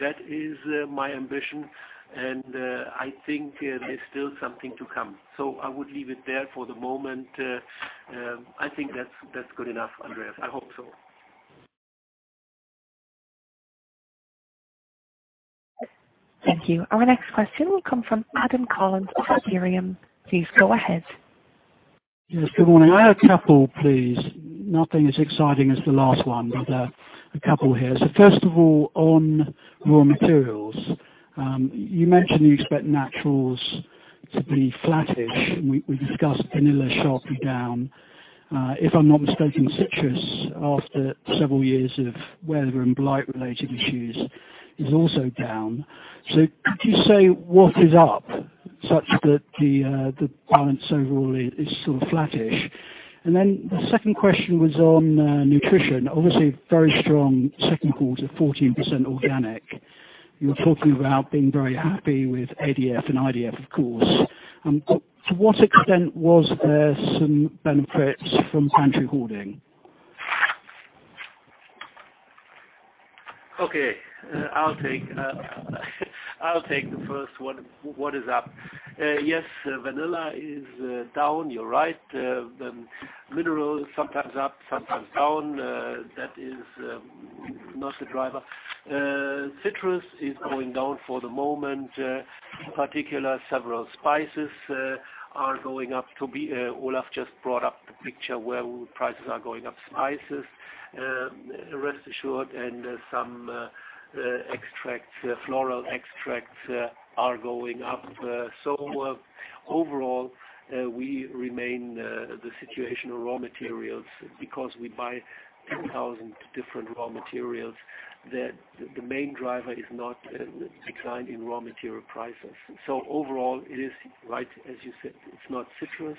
That is my ambition, and I think there's still something to come. I would leave it there for the moment. I think that's good enough, Andreas. I hope so. Thank you. Our next question will come from Adam Collins of Liberum. Please go ahead. Yes, good morning. I have a couple, please. Nothing as exciting as the last one, but a couple here. First of all, on raw materials. You mentioned you expect naturals to be flattish. We discussed vanilla sharply down. If I'm not mistaken, citrus, after several years of weather and blight-related issues, is also down. Could you say what is up such that the balance overall is sort of flattish? The second question was on Nutrition. Obviously, very strong second quarter, 14% organic. You were talking about being very happy with ADF and IDF, of course. To what extent was there some benefits from pantry hoarding? Okay. I'll take the first one. What is up? Yes, vanilla is down, you're right. Mineral is sometimes up, sometimes down. That is not the driver. Citrus is going down for the moment. In particular, several spices are going up. Olaf just brought up the picture where prices are going up. Spices, rest assured, and some extracts, floral extracts are going up. Overall, we remain the situation of raw materials because we buy 10,000 different raw materials that the main driver is not defined by raw material prices. Overall, it is right as you said. It's not citrus,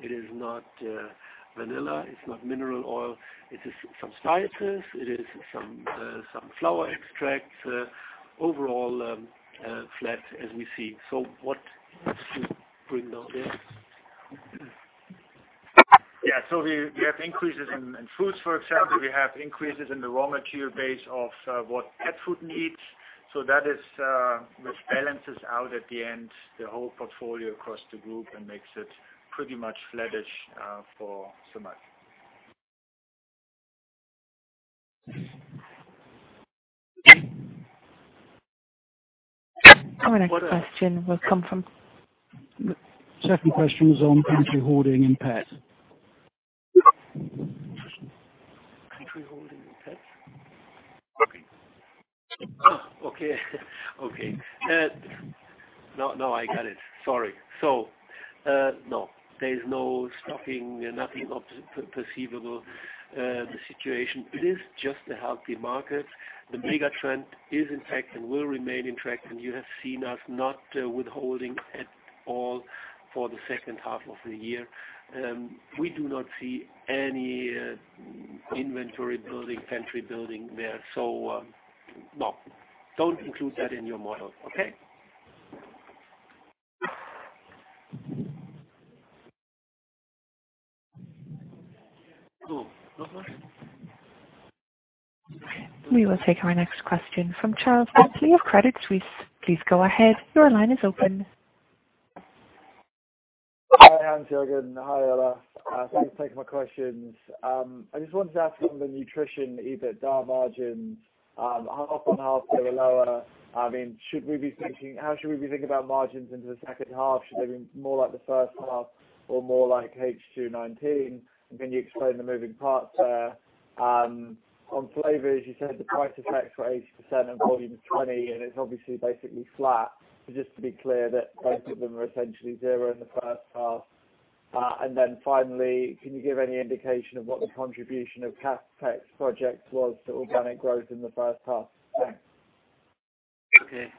it is not vanilla, it's not mineral oil. It is some spices, it is some flower extracts. Overall flat as we see. What to bring down there? Yeah, we have increases in foods, for example. We have increases in the raw material base of what pet food needs. That which balances out at the end the whole portfolio across the group and makes it pretty much flattish for so much. Our next question will come from. Second question is on pantry hoarding and pet. Pantry hoarding and pets? Okay. Okay. No, I got it. Sorry. No, there is no stocking, nothing perceivable the situation. It is just a healthy market. The mega-trend is in fact and will remain in track, you have seen us not withholding at all for the second half of the year. We do not see any inventory building, pantry building there. No, don't include that in your model, okay? Cool. We will take our next question from Charles Bentley of Credit Suisse. Please go ahead. Your line is open. Hi, Heinz-Jürgen. Hi, Olaf. Thanks for taking my questions. I just wanted to ask on the Nutrition, EBITDA margins. Half on half they were lower. How should we be thinking about margins into the second half? Should they be more like the first half or more like H2 2019? Can you explain the moving parts there? On Flavor, you said the price effect for 80% and volume is 20%, and it's obviously basically flat. Just to be clear that both of them are essentially zero in the first half. Finally, can you give any indication of what the contribution of CapEx projects was to organic growth in the first half? Thanks.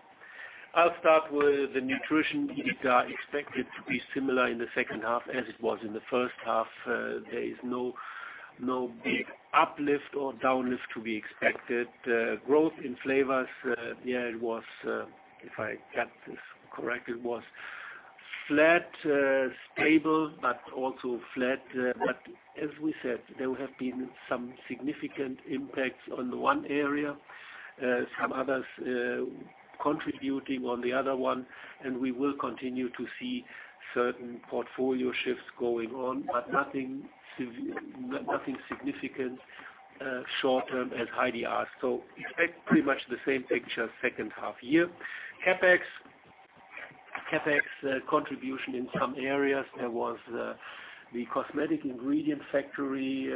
I'll start with the Nutrition. We expect it to be similar in the second half as it was in the first half. There is no big uplift or downlift to be expected. Growth in Flavors, if I got this correct, it was flat, stable, but also flat. As we said, there have been some significant impacts on the one area, some others contributing on the other one, and we will continue to see certain portfolio shifts going on, but nothing significant short-term, as Heidi asked. Expect pretty much the same picture second half year. CapEx contribution in some areas, there was the cosmetic ingredient factory,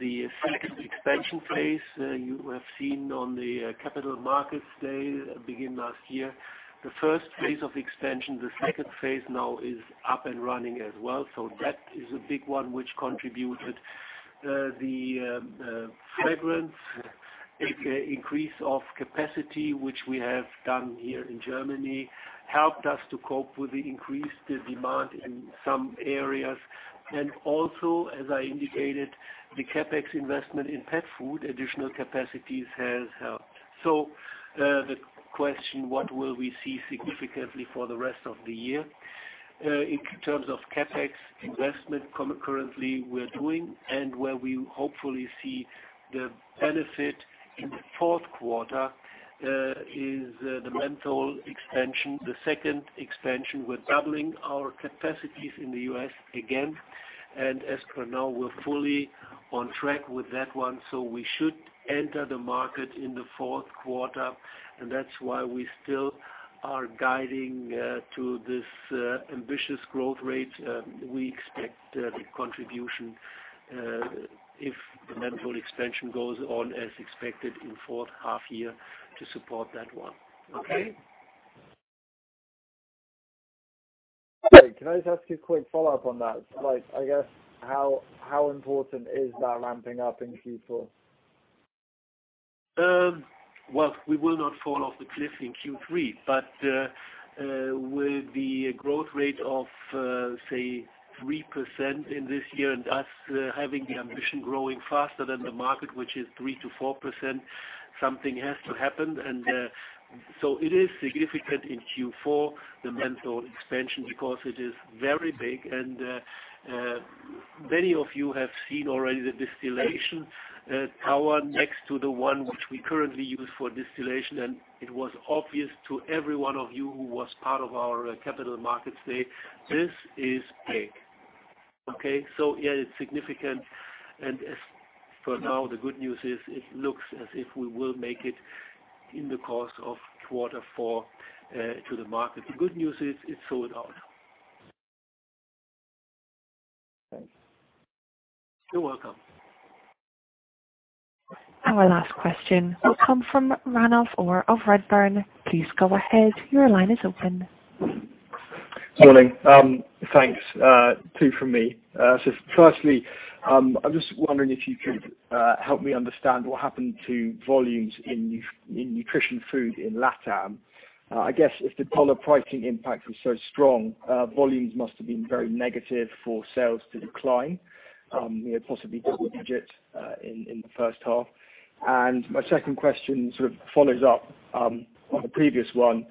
the sixth expansion phase, you have seen on the Capital Markets Day begin last year. The first phase of expansion, the second phase now is up and running as well. That is a big one which contributed. The fragrance increase of capacity, which we have done here in Germany, helped us to cope with the increased demand in some areas. As I indicated, the CapEx investment in pet food, additional capacities has helped. The question, what will we see significantly for the rest of the year? In terms of CapEx investment currently we're doing, where we hopefully see the benefit in the fourth quarter is the menthol extension, the second extension. We're doubling our capacities in the U.S. again, as for now, we're fully on track with that one. We should enter the market in the fourth quarter, that's why we still are guiding to this ambitious growth rate. We expect the contribution, if the menthol extension goes on as expected in fourth half year, to support that one. Okay. Great. Can I just ask you a quick follow-up on that? I guess, how important is that ramping up in Q4? Well, we will not fall off the cliff in Q3, but with the growth rate of, say, 3% in this year and us having the ambition growing faster than the market, which is 3%-4%, something has to happen. It is significant in Q4, the menthol expansion, because it is very big, and many of you have seen already the distillation tower next to the one which we currently use for distillation, and it was obvious to every one of you who was part of our Capital Markets Day, this is big. Okay. Yeah, it's significant, and as for now, the good news is it looks as if we will make it in the course of quarter four to the market. The good news is it's sold out. Thanks. You're welcome. Our last question will come from Ranulf Orr of Redburn. Please go ahead. Your line is open. Good morning. Thanks. Two from me. Firstly, I'm just wondering if you could help me understand what happened to volumes in Nutrition food in LATAM. I guess if the polar pricing impact was so strong, volumes must have been very negative for sales to decline, possibly double digits in the first half. My second question sort of follows up on the previous one.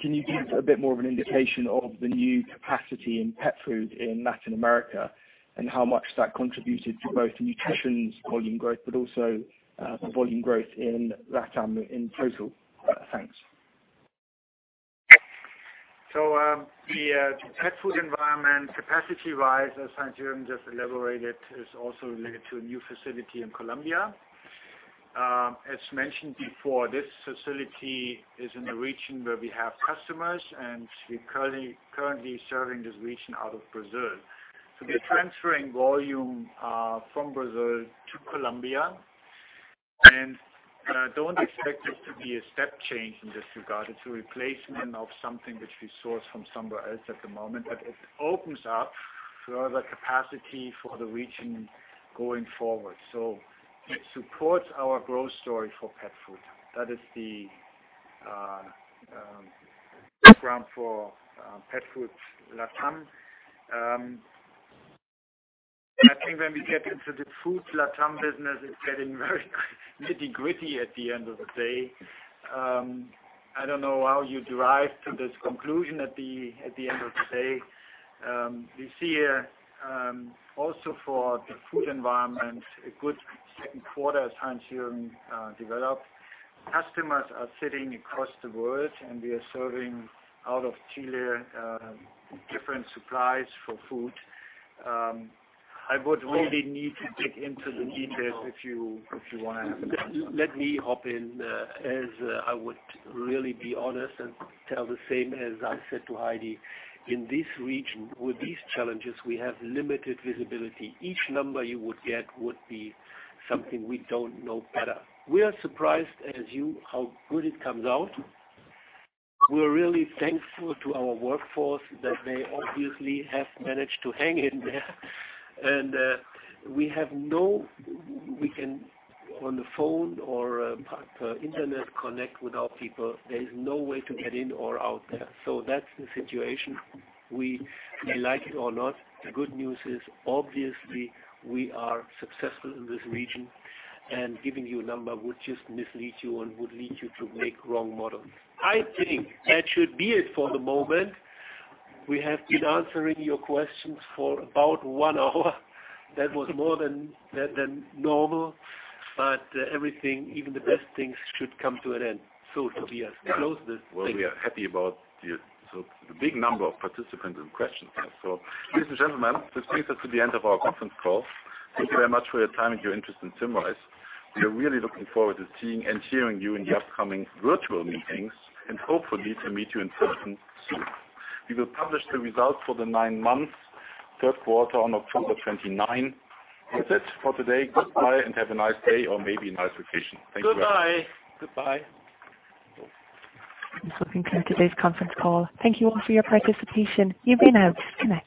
Can you give a bit more of an indication of the new capacity in pet food in Latin America, and how much that contributed to both Nutrition's volume growth, but also the volume growth in LATAM in total? Thanks. The pet food environment, capacity-wise, as Heinz-Jürgen just elaborated, is also related to a new facility in Colombia. As mentioned before, this facility is in a region where we have customers, and we're currently serving this region out of Brazil. We are transferring volume from Brazil to Colombia. Don't expect it to be a step change in this regard. It's a replacement of something which we source from somewhere else at the moment. It opens up further capacity for the region going forward. It supports our growth story for pet food. That is the background for pet food LATAM. I think when we get into the food LATAM business, it's getting very nitty-gritty at the end of the day. I don't know how you derive to this conclusion at the end of the day. We see also for the food environment, a good second quarter, as Heinz-Jürgen developed. Customers are sitting across the world, and we are serving out of Chile different supplies for food. I would really need to dig into the details if you want to have a number. I would really be honest and tell the same as I said to Heidi, in this region, with these challenges, we have limited visibility. Each number you would get would be something we don't know better. We are surprised as you how good it comes out. We are really thankful to our workforce that they obviously have managed to hang in there. We can, on the phone or internet, connect with our people. There is no way to get in or out there. That's the situation. We like it or not. The good news is, obviously, we are successful in this region, and giving you a number would just mislead you and would lead you to make wrong models. I think that should be it for the moment. We have been answering your questions for about one hour. That was more than normal, but everything, even the best things should come to an end. Tobias, close this thing. Well, we are happy about the big number of participants and questions. Ladies and gentlemen, this brings us to the end of our conference call. Thank you very much for your time and your interest in Symrise. We are really looking forward to seeing and hearing you in the upcoming virtual meetings, and hopefully, to meet you in person soon. We will publish the results for the nine months, third quarter on October 29. That's it for today. Goodbye and have a nice day or maybe a nice vacation. Thank you. Goodbye. Goodbye. This will conclude today's conference call. Thank you all for your participation. You may now disconnect.